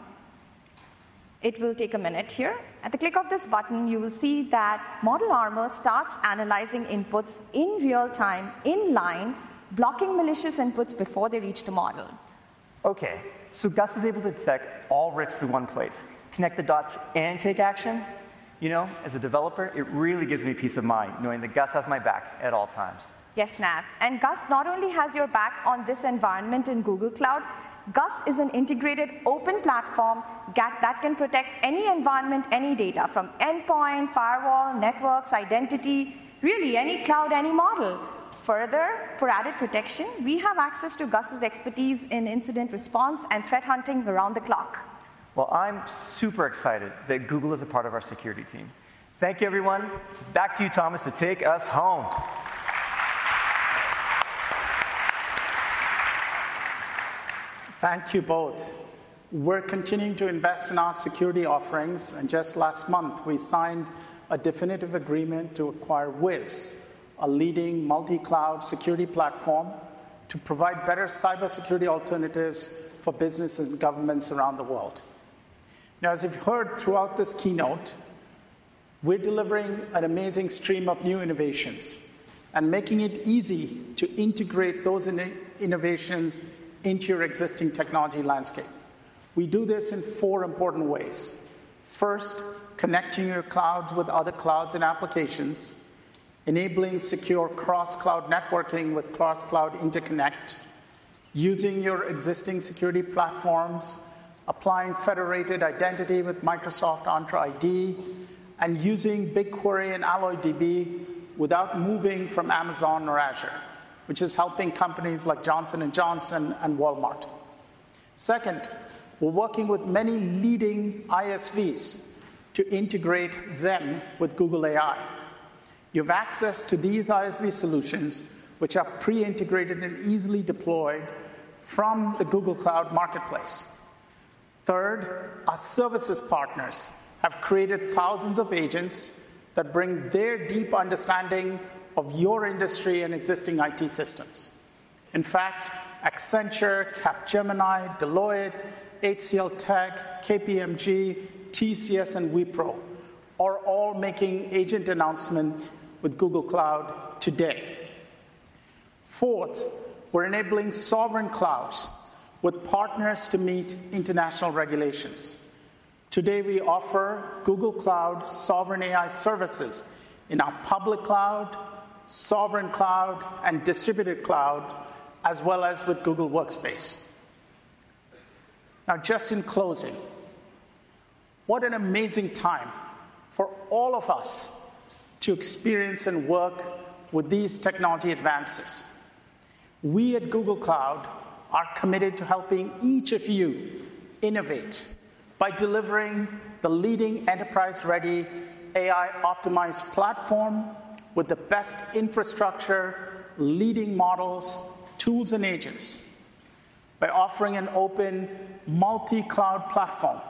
W: it will take a minute here. At the click of this button, you will see that Model Armor starts analyzing inputs in real-time, in line, blocking malicious inputs before they reach the model.
V: OK. GUS is able to detect all risks in one place, connect the dots, and take action? You know, as a developer, it really gives me peace of mind knowing that GUS has my back at all times.
W: Yes, Nav. GUS not only has your back on this environment in Google Cloud, GUS is an integrated open platform that can protect any environment, any data, from endpoint, firewall, networks, identity, really any cloud, any model. Further, for added protection, we have access to GUS's expertise in incident response and threat hunting around the clock.
V: I'm super excited that Google is a part of our security team. Thank you, everyone. Back to you, Thomas, to take us home.
C: Thank you both. We are continuing to invest in our security offerings. Just last month, we signed a definitive agreement to acquire Wiz, a leading multi-cloud security platform to provide better cybersecurity alternatives for businesses and governments around the world. As you have heard throughout this keynote, we are delivering an amazing stream of new innovations and making it easy to integrate those innovations into your existing technology landscape. We do this in four important ways. First, connecting your clouds with other clouds and applications, enabling secure cross-cloud networking with Cross-Cloud Interconnect, using your existing security platforms, applying federated identity with Microsoft Entra ID, and using BigQuery and AlloyDB without moving from Amazon or Azure, which is helping companies like Johnson & Johnson and Walmart. Second, we are working with many leading ISVs to integrate them with Google AI. You have access to these ISV solutions, which are pre-integrated and easily deployed from the Google Cloud Marketplace. Third, our services partners have created thousands of agents that bring their deep understanding of your industry and existing IT systems. In fact, Accenture, Capgemini, Deloitte, HCLTech, KPMG, TCS, and Wipro are all making agent announcements with Google Cloud today. Fourth, we're enabling sovereign clouds with partners to meet international regulations. Today, we offer Google Cloud Sovereign AI services in our public cloud, sovereign cloud, and distributed cloud, as well as with Google Workspace. Now, just in closing, what an amazing time for all of us to experience and work with these technology advances. We at Google Cloud are committed to helping each of you innovate by delivering the leading enterprise-ready AI-optimized platform with the best infrastructure, leading models, tools, and agents, by offering an open multi-cloud platform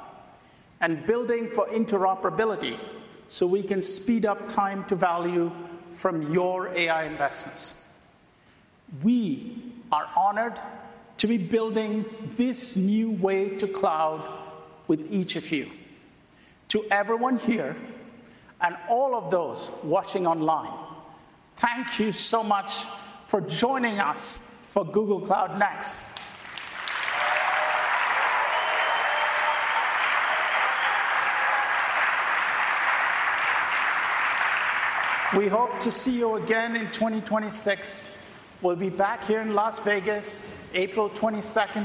C: and building for interoperability so we can speed up time to value from your AI investments. We are honored to be building this new way to cloud with each of you. To everyone here and all of those watching online, thank you so much for joining us for Google Cloud Next. We hope to see you again in 2026. We'll be back here in Las Vegas, April 22.